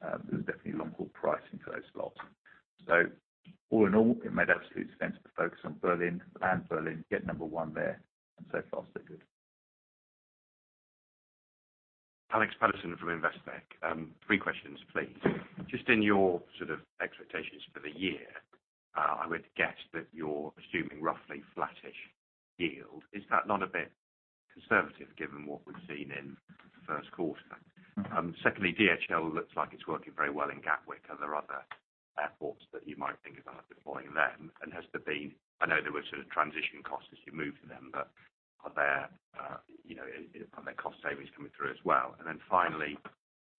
above anything that we would have considered anyway for Gatwick as well. There was definitely long-haul pricing for those slots. All in all, it made absolute sense to focus on Berlin, land Berlin, get number one there, and far, so good.
Alex Paterson from Investec. Three questions, please. Just in your sort of expectations for the year, I would guess that you're assuming roughly flattish yield. Is that not a bit conservative given what we've seen in the first quarter? Secondly, DHL looks like it's working very well in Gatwick. Are there other airports that you might think about deploying them? I know there were sort of transition costs as you move to them, but are there cost savings coming through as well? Finally,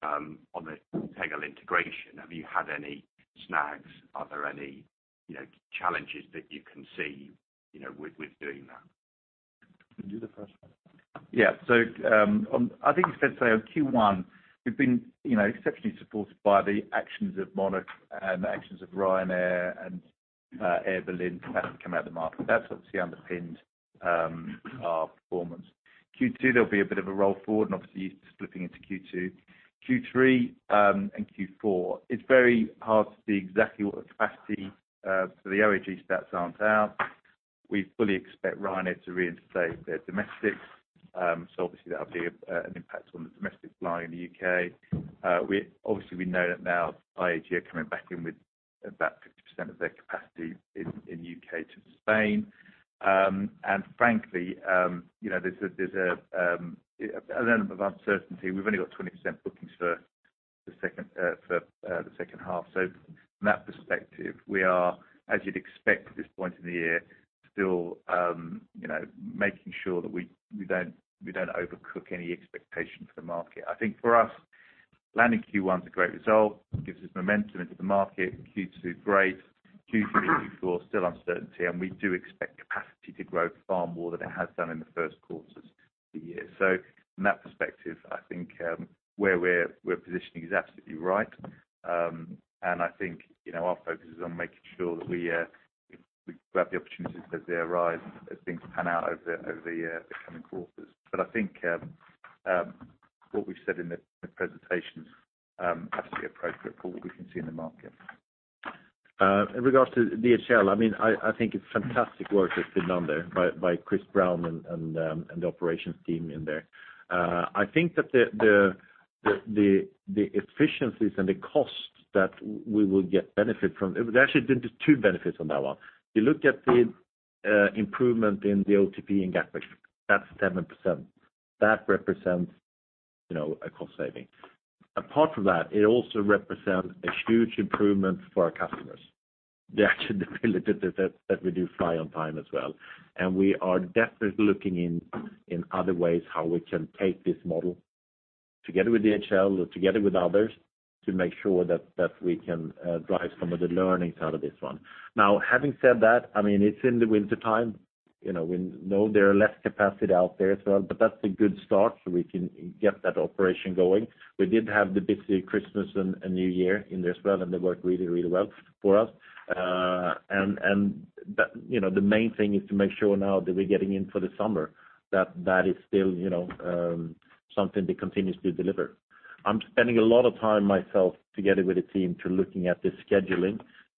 on the Tegel integration, have you had any snags? Are there any challenges that you can see with doing that?
You do the first one. Yeah. I think it's fair to say on Q1, we've been exceptionally supported by the actions of Monarch Airlines and the actions of Ryanair and Air Berlin capacity coming out of the market. That's obviously underpinned our performance. Q2, there'll be a bit of a roll forward and obviously splitting into Q2. Q3 and Q4, it's very hard to see exactly what the capacity for the IAG stats aren't out. We fully expect Ryanair to reinstate their domestic. Obviously, that will be an impact on the domestic flying in the U.K. Obviously, we know that now IAG are coming back in with about 50% of their capacity in U.K. to Spain. Frankly, there's an element of uncertainty. We've only got 20% bookings for the second half. From that perspective, we are, as you'd expect at this point in the year, still making sure that we don't overcook any expectation for the market. I think for us, landing Q1 is a great result. It gives us momentum into the market. Q2, great. Q3 and Q4, still uncertainty, and we do expect capacity to grow far more than it has done in the first quarters of the year. From that perspective, I think where we're positioning is absolutely right. I think our focus is on making sure that we grab the opportunities as they arise and as things pan out over the coming quarters. I think what we've said in the presentations absolutely appropriate for what we can see in the market.
In regards to DHL, I think it's fantastic work that's been done there by Chris Browne and the operations team in there. I think that the efficiencies and the costs that we will get benefit from. There actually have been two benefits on that one. You look at the improvement in the OTP in Gatwick, that's 7%. That represents a cost saving. Apart from that, it also represents a huge improvement for our customers. They actually believe that we do fly on time as well. We are definitely looking in other ways how we can take this model together with DHL or together with others to make sure that we can drive some of the learnings out of this one. Now, having said that, it's in the wintertime. We know there are less capacity out there as well. That's a good start, we can get that operation going. We did have the busy Christmas and New Year in there as well. They worked really, really well for us. The main thing is to make sure now that we're getting in for the summer, that that is still something that continues to deliver. I'm spending a lot of time myself together with the team looking at the scheduling,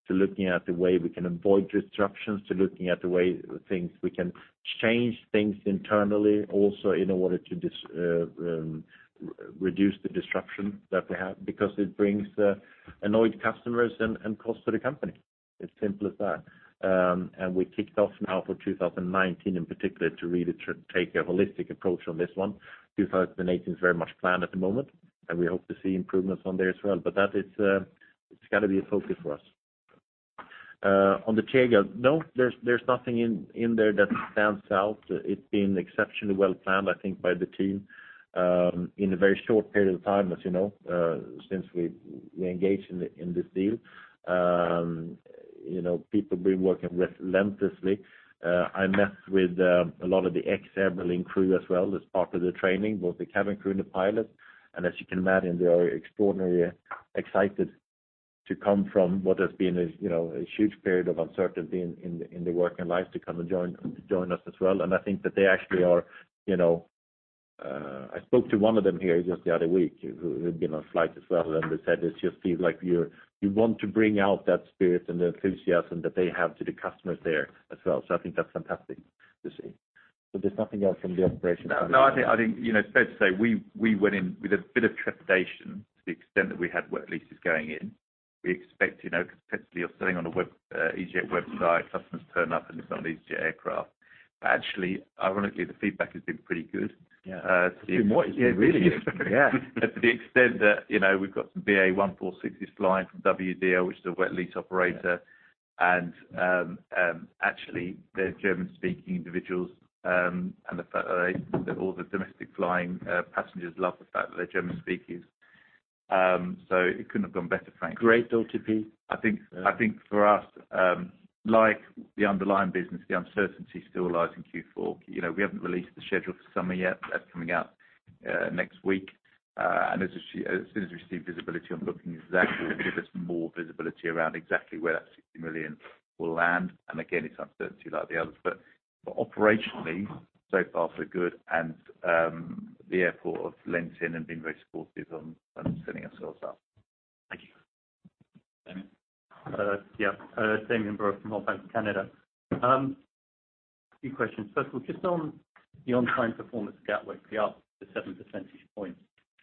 looking at the way we can avoid disruptions, looking at the way things we can change things internally also in order to reduce the disruption that we have because it brings annoyed customers and cost to the company. It's simple as that. We kicked off now for 2019, in particular, to really take a holistic approach on this one. 2018 is very much planned at the moment. We hope to see improvements on there as well. That it's got to be a focus for us. On the Tegel, no, there's nothing in there that stands out. It's been exceptionally well planned, I think, by the team, in a very short period of time, as you know, since we engaged in this deal. People have been working relentlessly. I met with a lot of the ex-Air Berlin crew as well as part of the training, both the cabin crew and the pilots. As you can imagine, they are extraordinarily excited to come from what has been a huge period of uncertainty in their working life to come and join us as well. I think that they actually. I spoke to one of them here just the other week who had been on flight as well. They said it just feels like you want to bring out that spirit and the enthusiasm that they have to the customers there as well. I think that's fantastic to see. There's nothing else from the operations side.
No, I think it's fair to say we went in with a bit of trepidation to the extent that we had wet leases going in. We expect competitively you're selling on an easyJet website, customers turn up. It's not an easyJet aircraft. Actually, ironically, the feedback has been pretty good.
Yeah. It's been more easyJet, really.
Yeah. To the extent that we've got some BA146s flying from WDL, which is a wet lease operator.
Yeah.
Actually, they're German-speaking individuals, and all the domestic flying passengers love the fact that they're German speakers.
It couldn't have gone better, frankly.
Great OTP.
I think for us, like the underlying business, the uncertainty still lies in Q4. We haven't released the schedule for summer yet. That's coming out next week. As soon as we receive visibility on bookings, that will give us more visibility around exactly where that 60 million will land. Again, it's uncertainty like the others. Operationally, so far, so good, and the airport have lent in and been very supportive on setting ourselves up.
Thank you.
Damian.
Yeah. Damian Brewer from Bank of America. A few questions. First of all, just on the on-time performance at Gatwick, you're up to seven percentage points.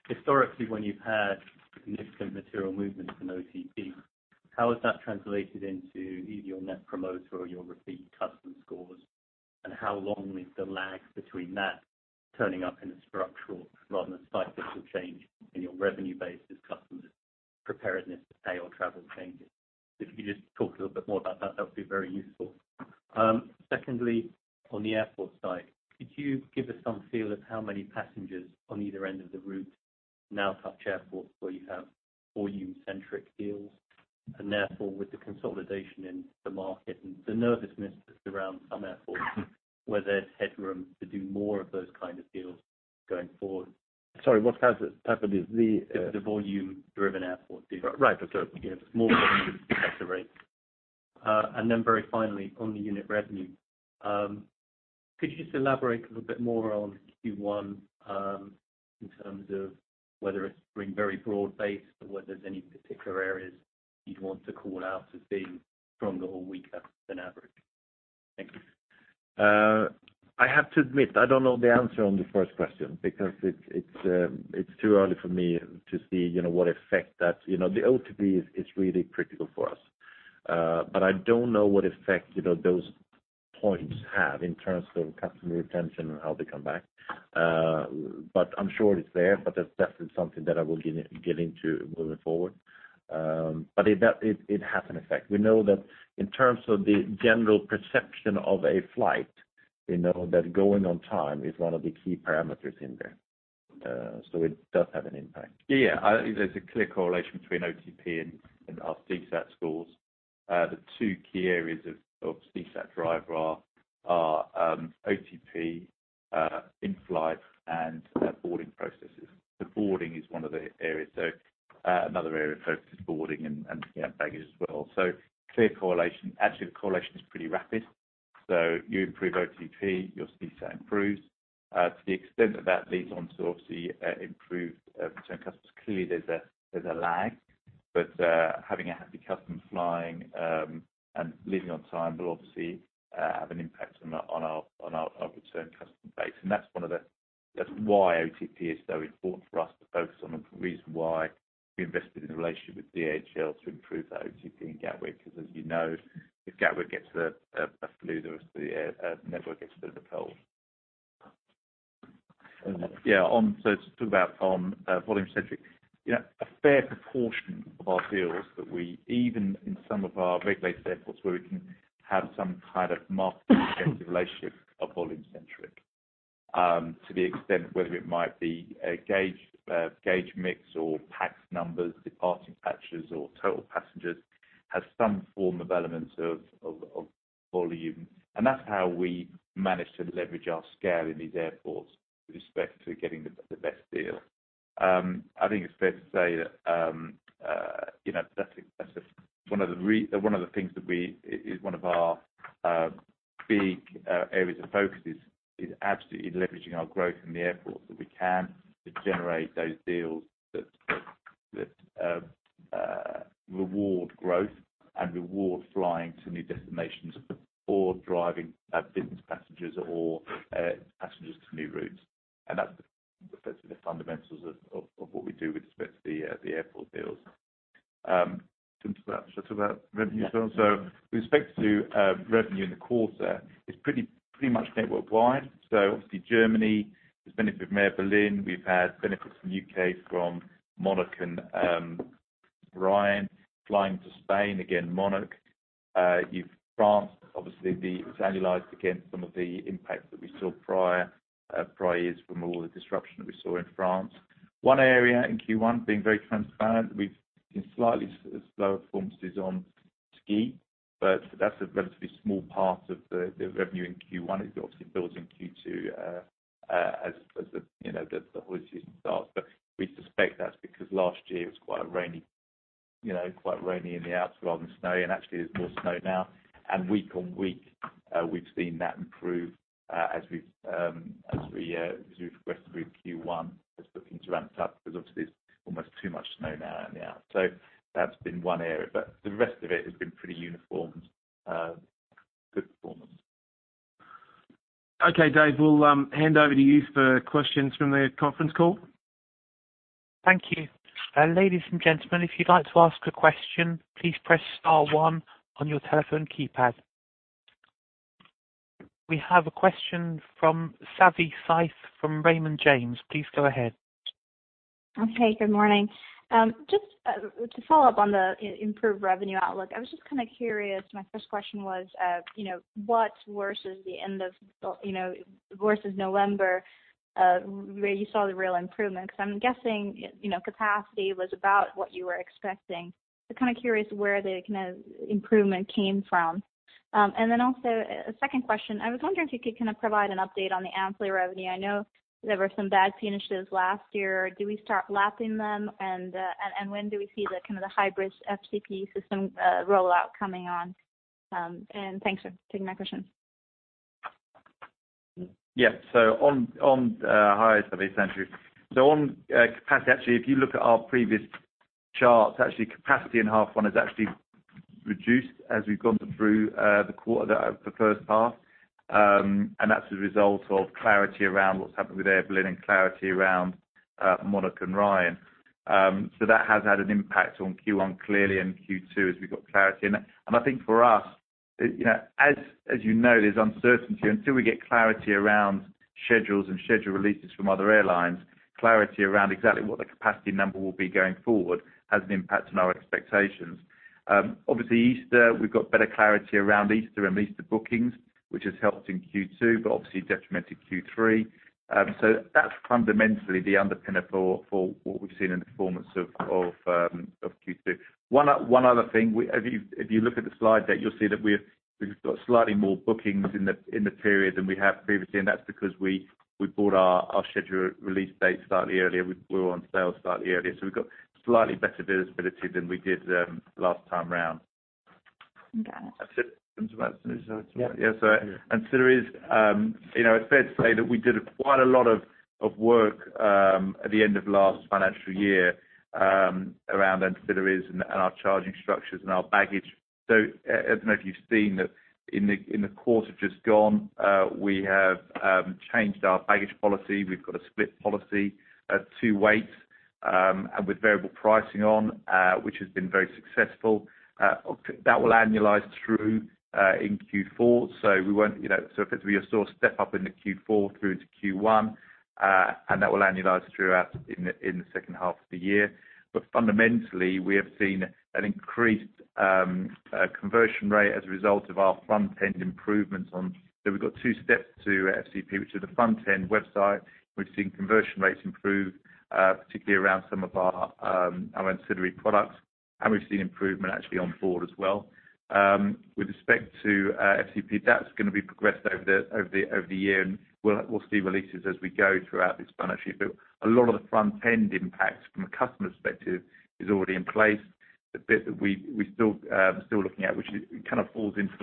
Historically, when you've had significant material movements in OTP, how has that translated into either your net promoter or your repeat custom scores? How long is the lag between that turning up in a structural rather than a cyclical change in your revenue base as customers' preparedness to pay or travel changes? If you could just talk a little bit more about that would be very useful. Secondly, on the airport side, could you give us some feel of how many passengers on either end of the route now touch airports where you have volume-centric deals? Therefore, with the consolidation in the market and the nervousness around some airports, where there's headroom to do more of those kind of deals going forward?
Sorry, what's happened is.
The volume-driven airport deals.
Right.
More volume at a better rate. Very finally, on the unit revenue, could you just elaborate a little bit more on Q1, in terms of whether it's been very broad-based or whether there's any particular areas you'd want to call out as being stronger or weaker than average? Thank you.
I have to admit, I don't know the answer on the first question because it's too early for me to see what effect. The OTP is really critical for us. I don't know what effect those points have in terms of customer retention and how they come back. I'm sure it's there, but that's definitely something that I will get into moving forward. It has an effect. We know that in terms of the general perception of a flight, we know that going on time is one of the key parameters in there. It does have an impact.
Yeah. I think there's a clear correlation between OTP and our CSAT scores. The two key areas of CSAT driver are OTP in-flight and boarding processes. The boarding is one of the areas, another area of focus is boarding and baggage as well. Clear correlation. The correlation is pretty rapid. You improve OTP, your CSAT improves. To the extent that leads on to obviously improved return customers. Clearly, there's a lag, but having a happy customer flying and leaving on time will obviously have an impact on our return customer base. That's why OTP is so important for us to focus on and the reason why we invested in a relationship with DHL to improve that OTP in Gatwick, because as you know, if Gatwick gets a flu, the rest of the network gets the ripple. Yeah. To talk about volume centric. A fair proportion of our deals that we, even in some of our regulated airports where we can have some kind of market-sensitive relationship are volume-centric. To the extent whether it might be a gauge mix or pax numbers, departing pax or total passengers, has some form of elements of volume. That's how we manage to leverage our scale in these airports with respect to getting the best deal. I think it's fair to say that one of the things that is one of our big areas of focus is absolutely leveraging our growth in the airports that we can to generate those deals that reward growth and reward flying to new destinations or driving business passengers or passengers to new routes. That's the fundamentals of what we do with respect to the airport deals.
Should I talk about revenue as well?
Yeah. With respect to revenue in the quarter, it's pretty much network-wide. Obviously Germany has benefited from Air Berlin. We've had benefits from U.K. from Monarch Airlines and Ryanair flying to Spain, again, Monarch Airlines. France, obviously, it was annualized against some of the impact that we saw prior years from all the disruption that we saw in France. One area in Q1 being very transparent, we've seen slightly slower performances on ski, but that's a relatively small part of the revenue in Q1. It obviously builds in Q2 as the holiday season starts. We suspect that's because last year it was quite rainy in the Alps rather than snow, and actually there's more snow now. Week on week, we've seen that improve as we progress through Q1 as bookings ramp up because obviously it's almost too much snow now in the Alps.
That's been one area, but the rest of it has been pretty uniform good performance. Okay, Dave, we'll hand over to you for questions from the conference call.
Thank you. Ladies and gentlemen, if you'd like to ask a question, please press star one on your telephone keypad. We have a question from Savanthi Syth from Raymond James. Please go ahead.
To follow up on the improved revenue outlook, I was just curious, my first question was, what versus November, where you saw the real improvement? Because I'm guessing, capacity was about what you were expecting. Curious where the improvement came from. Also, a second question. I was wondering if you could provide an update on the ancillary revenue. I know there were some bad finishes last year. Do we start lapping them? When do we see the hybrid FCP system rollout coming on? Thanks for taking my question.
Yeah. Hi, Savi. It's Andrew. On capacity, actually, if you look at our previous charts, actually capacity in half one has actually reduced as we've gone through the first half. That's a result of clarity around what's happened with Aer Lingus and clarity around Monarch and Ryan. That has had an impact on Q1 clearly and Q2 as we got clarity in it. I think for us, as you know, there's uncertainty until we get clarity around schedules and schedule releases from other airlines, clarity around exactly what the capacity number will be going forward has an impact on our expectations. Obviously, Easter, we've got better clarity around Easter and Easter bookings, which has helped in Q2, but obviously detrimented Q3. That's fundamentally the underpin for what we've seen in the performance of Q2. One other thing, if you look at the slide deck, you'll see that we've got slightly more bookings in the period than we have previously, and that's because we bought our schedule release date slightly earlier. We were on sale slightly earlier. We've got slightly better visibility than we did last time around.
Got it.
That's it. Ancillaries, it's fair to say that we did quite a lot of work, at the end of last financial year, around ancillaries and our charging structures and our baggage. I don't know if you've seen that in the quarter just gone, we have changed our baggage policy. We've got a split policy, two weights, with variable pricing on, which has been very successful. That will annualize through in Q4, so effectively you'll saw a step up into Q4 through to Q1, and that will annualize throughout in the second half of the year. Fundamentally, we have seen an increased conversion rate as a result of our front-end improvements on. We've got two steps to FCP, which are the front-end website. We've seen conversion rates improve, particularly around some of our ancillary products. We've seen improvement actually on board as well. With respect to FCP, that's going to be progressed over the year. We'll see releases as we go throughout this financial year. A lot of the front-end impacts from a customer perspective is already in place. The bit that we still looking at, which kind of falls into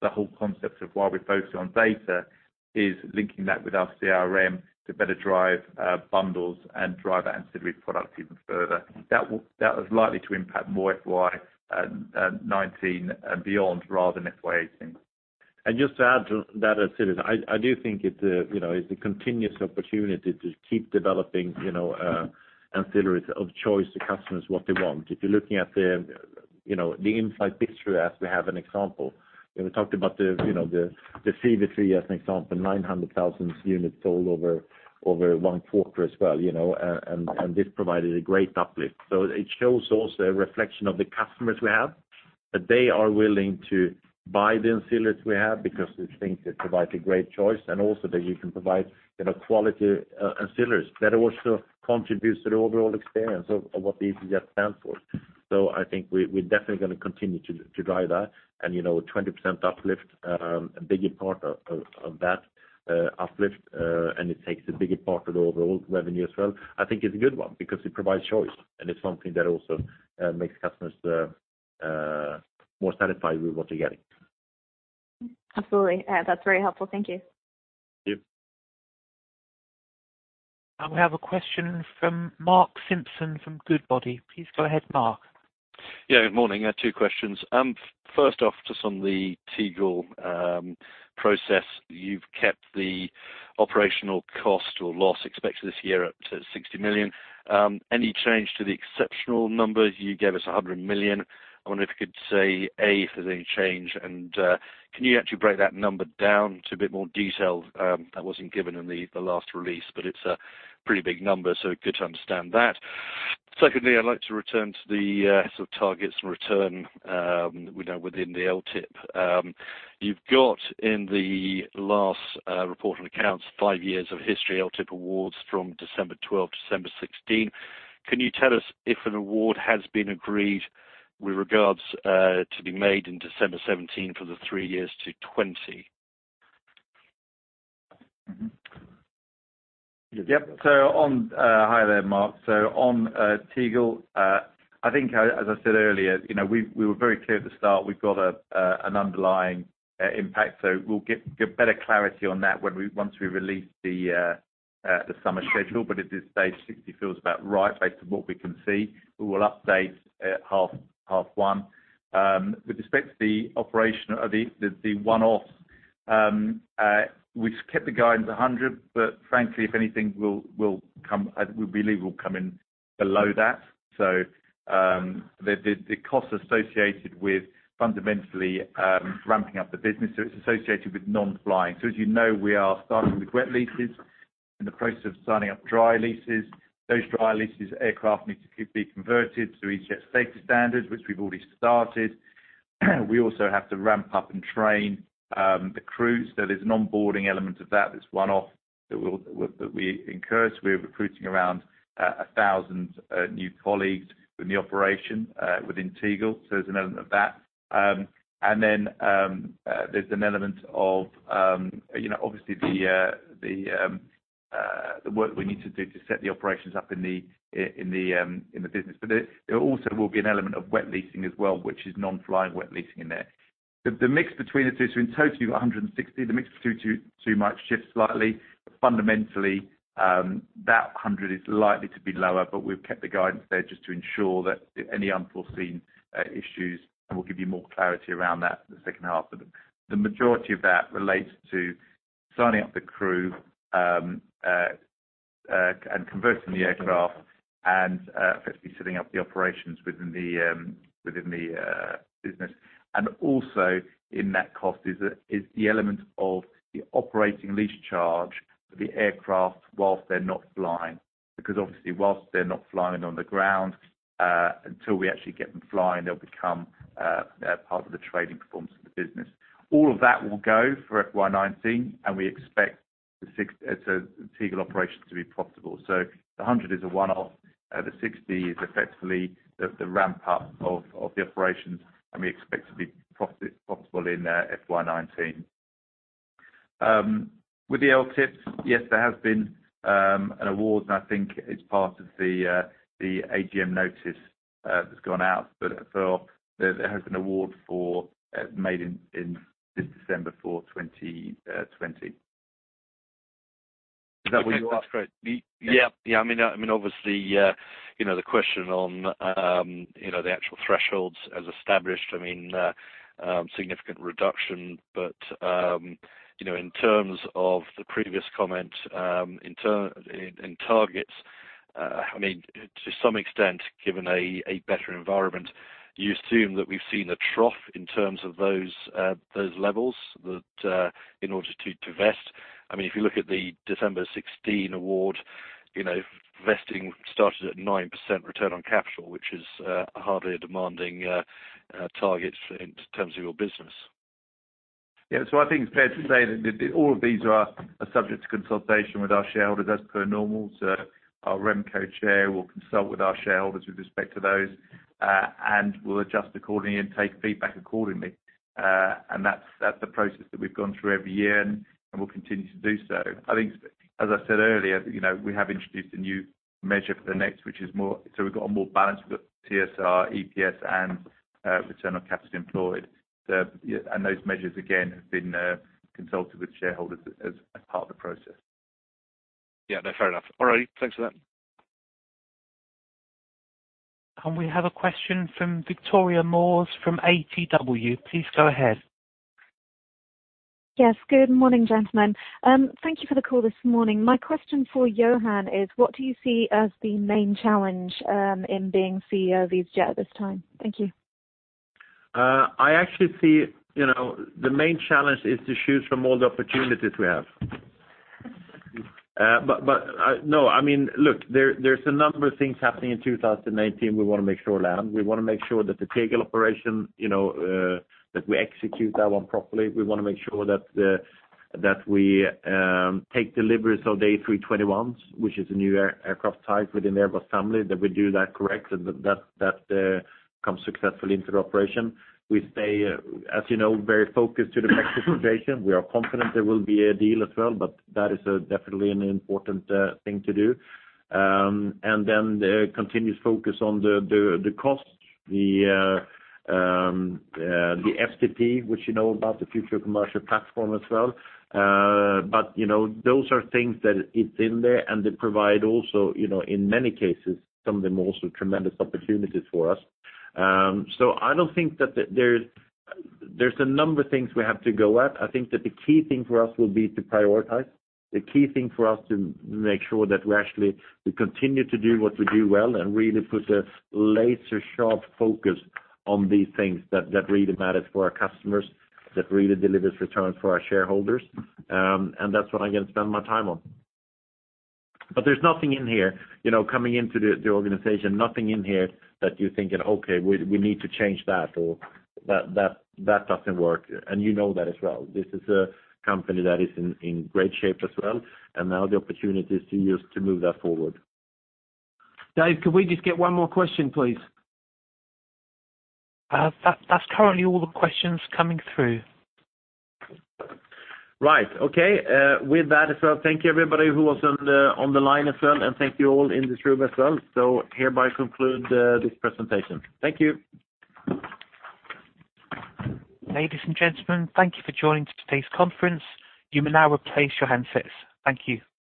the whole concept of why we're focused on data, is linking that with our CRM to better drive bundles and drive ancillary products even further. That is likely to impact more FY 2019 and beyond rather than FY 2018.
Just to add to that as well, I do think it's a continuous opportunity to keep developing ancillaries of choice to customers what they want. If you're looking at the inside picture as we have an example, we talked about the Fever-Tree as an example, 900,000 units sold over one quarter as well. This provided a great uplift. It shows also a reflection of the customers we have, that they are willing to buy the ancillaries we have because they think they provide a great choice and also that you can provide quality ancillaries that also contributes to the overall experience of what easyJet stands for. I think we're definitely going to continue to drive that and 20% uplift, a bigger part of that uplift, and it takes a bigger part of the overall revenue as well. I think it's a good one because it provides choice and it's something that also makes customers more satisfied with what they're getting.
Absolutely. That's very helpful. Thank you.
Thank you.
We have a question from Mark Simpson from Goodbody. Please go ahead, Mark.
Yeah, good morning. I have two questions. First off, just on the Tegel process, you've kept the operational cost or loss expected this year up to 60 million. Any change to the exceptional numbers? You gave us 100 million. I wonder if you could say, A, if there's any change and can you actually break that number down to a bit more detail? That wasn't given in the last release, but it's a pretty big number, so good to understand that. Secondly, I'd like to return to the sort of targets and return within the LTIP. You've got in the last report on accounts five years of history, LTIP awards from December 2012, December 2016. Can you tell us if an award has been agreed with regards to be made in December 2017 for the three years to 2020?
Mm-hmm. Yep. Hi there, Mark. On Tegel, I think as I said earlier, we were very clear at the start, we've got an underlying impact. We'll get better clarity on that once we release the summer schedule. At this stage, 60 million feels about right based on what we can see. We will update at half one. With respect to the one-off, we've kept the guidance 100 million, but frankly, if anything, we believe we'll come in below that. The cost associated with fundamentally ramping up the business. It's associated with non-flying. As you know, we are starting the wet leases. In the process of signing up dry leases. Those dry leases aircraft need to be converted to easyJet safety standards, which we've already started. We also have to ramp up and train the crews. There is an onboarding element of that's one-off, that we incurred. We're recruiting around 1,000 new colleagues in the operation within Tegel. There's an element of that. There's an element of obviously the work we need to do to set the operations up in the business. There also will be an element of wet leasing as well, which is non-flying wet leasing in there. The mix between the two, in total you've got 160 million, the mix between two might shift slightly. Fundamentally, that 100 million is likely to be lower, we've kept the guidance there just to ensure that any unforeseen issues, and we'll give you more clarity around that in the second half. The majority of that relates to signing up the crew and converting the aircraft and effectively setting up the operations within the business. Also in that cost is the element of the operating lease charge for the aircraft whilst they're not flying. Obviously whilst they're not flying, on the ground, until we actually get them flying, they'll become part of the trading performance of the business. All of that will go for FY 2019. We expect the Tegel operation to be profitable. The 100 million is a one-off. The 60 million is effectively the ramp-up of the operations. We expect to be profitable in FY 2019. With the LTIPs, yes, there has been an award. I think it's part of the AGM notice that's gone out. There has been award made in December for 2020. Is that what you ask?
That's great. Yeah. I mean, obviously, the question on the actual thresholds as established, significant reduction. In terms of the previous comment in targets, to some extent, given a better environment, you assume that we've seen a trough in terms of those levels that in order to vest. If you look at the December 2016 award, vesting started at 9% return on capital, which is hardly a demanding target in terms of your business.
I think it's fair to say that all of these are subject to consultation with our shareholders as per normal. Our RemCo chair will consult with our shareholders with respect to those, and we'll adjust accordingly and take feedback accordingly. That's the process that we've gone through every year, and will continue to do so. I think, as I said earlier, we have introduced a new measure for the next, which is a more balanced TSR, EPS, and return on capital employed. Those measures again have been consulted with shareholders as part of the process.
Fair enough. All right. Thanks for that.
We have a question from Victoria Moores from ATW. Please go ahead.
Good morning, gentlemen. Thank you for the call this morning. My question for Johan is, what do you see as the main challenge in being CEO of easyJet at this time? Thank you.
I actually see the main challenge is to choose from all the opportunities we have. No, look, there's a number of things happening in 2019 we want to make sure land. We want to make sure that the Tegel operation, that we execute that one properly. We want to make sure that we take deliveries of the A321s, which is a new aircraft type within the Airbus family, that we do that correctly, that comes successfully into operation. We stay, as you know, very focused to the Brexit situation. We are confident there will be a deal as well, That is definitely an important thing to do. Then the continuous focus on the costs, the FCP, which you know about, the Future Commercial Platform as well. Those are things that it's in there, and they provide also, in many cases, some of them also tremendous opportunities for us. I don't think that there's a number of things we have to go at. I think that the key thing for us will be to prioritize. The key thing for us to make sure that we actually continue to do what we do well and really put a laser-sharp focus on these things that really matters for our customers, that really delivers returns for our shareholders. That's what I can spend my time on. There's nothing in here, coming into the organization, nothing in here that you're thinking, "Okay, we need to change that," or, "That doesn't work." You know that as well. This is a company that is in great shape as well, Now the opportunity is to move that forward.
Dave, could we just get one more question, please?
That's currently all the questions coming through.
Right. Okay. With that as well, thank you everybody who was on the line as well, and thank you all in this room as well. Hereby conclude this presentation. Thank you.
Ladies and gentlemen, thank you for joining today's conference. You may now replace your handsets. Thank you.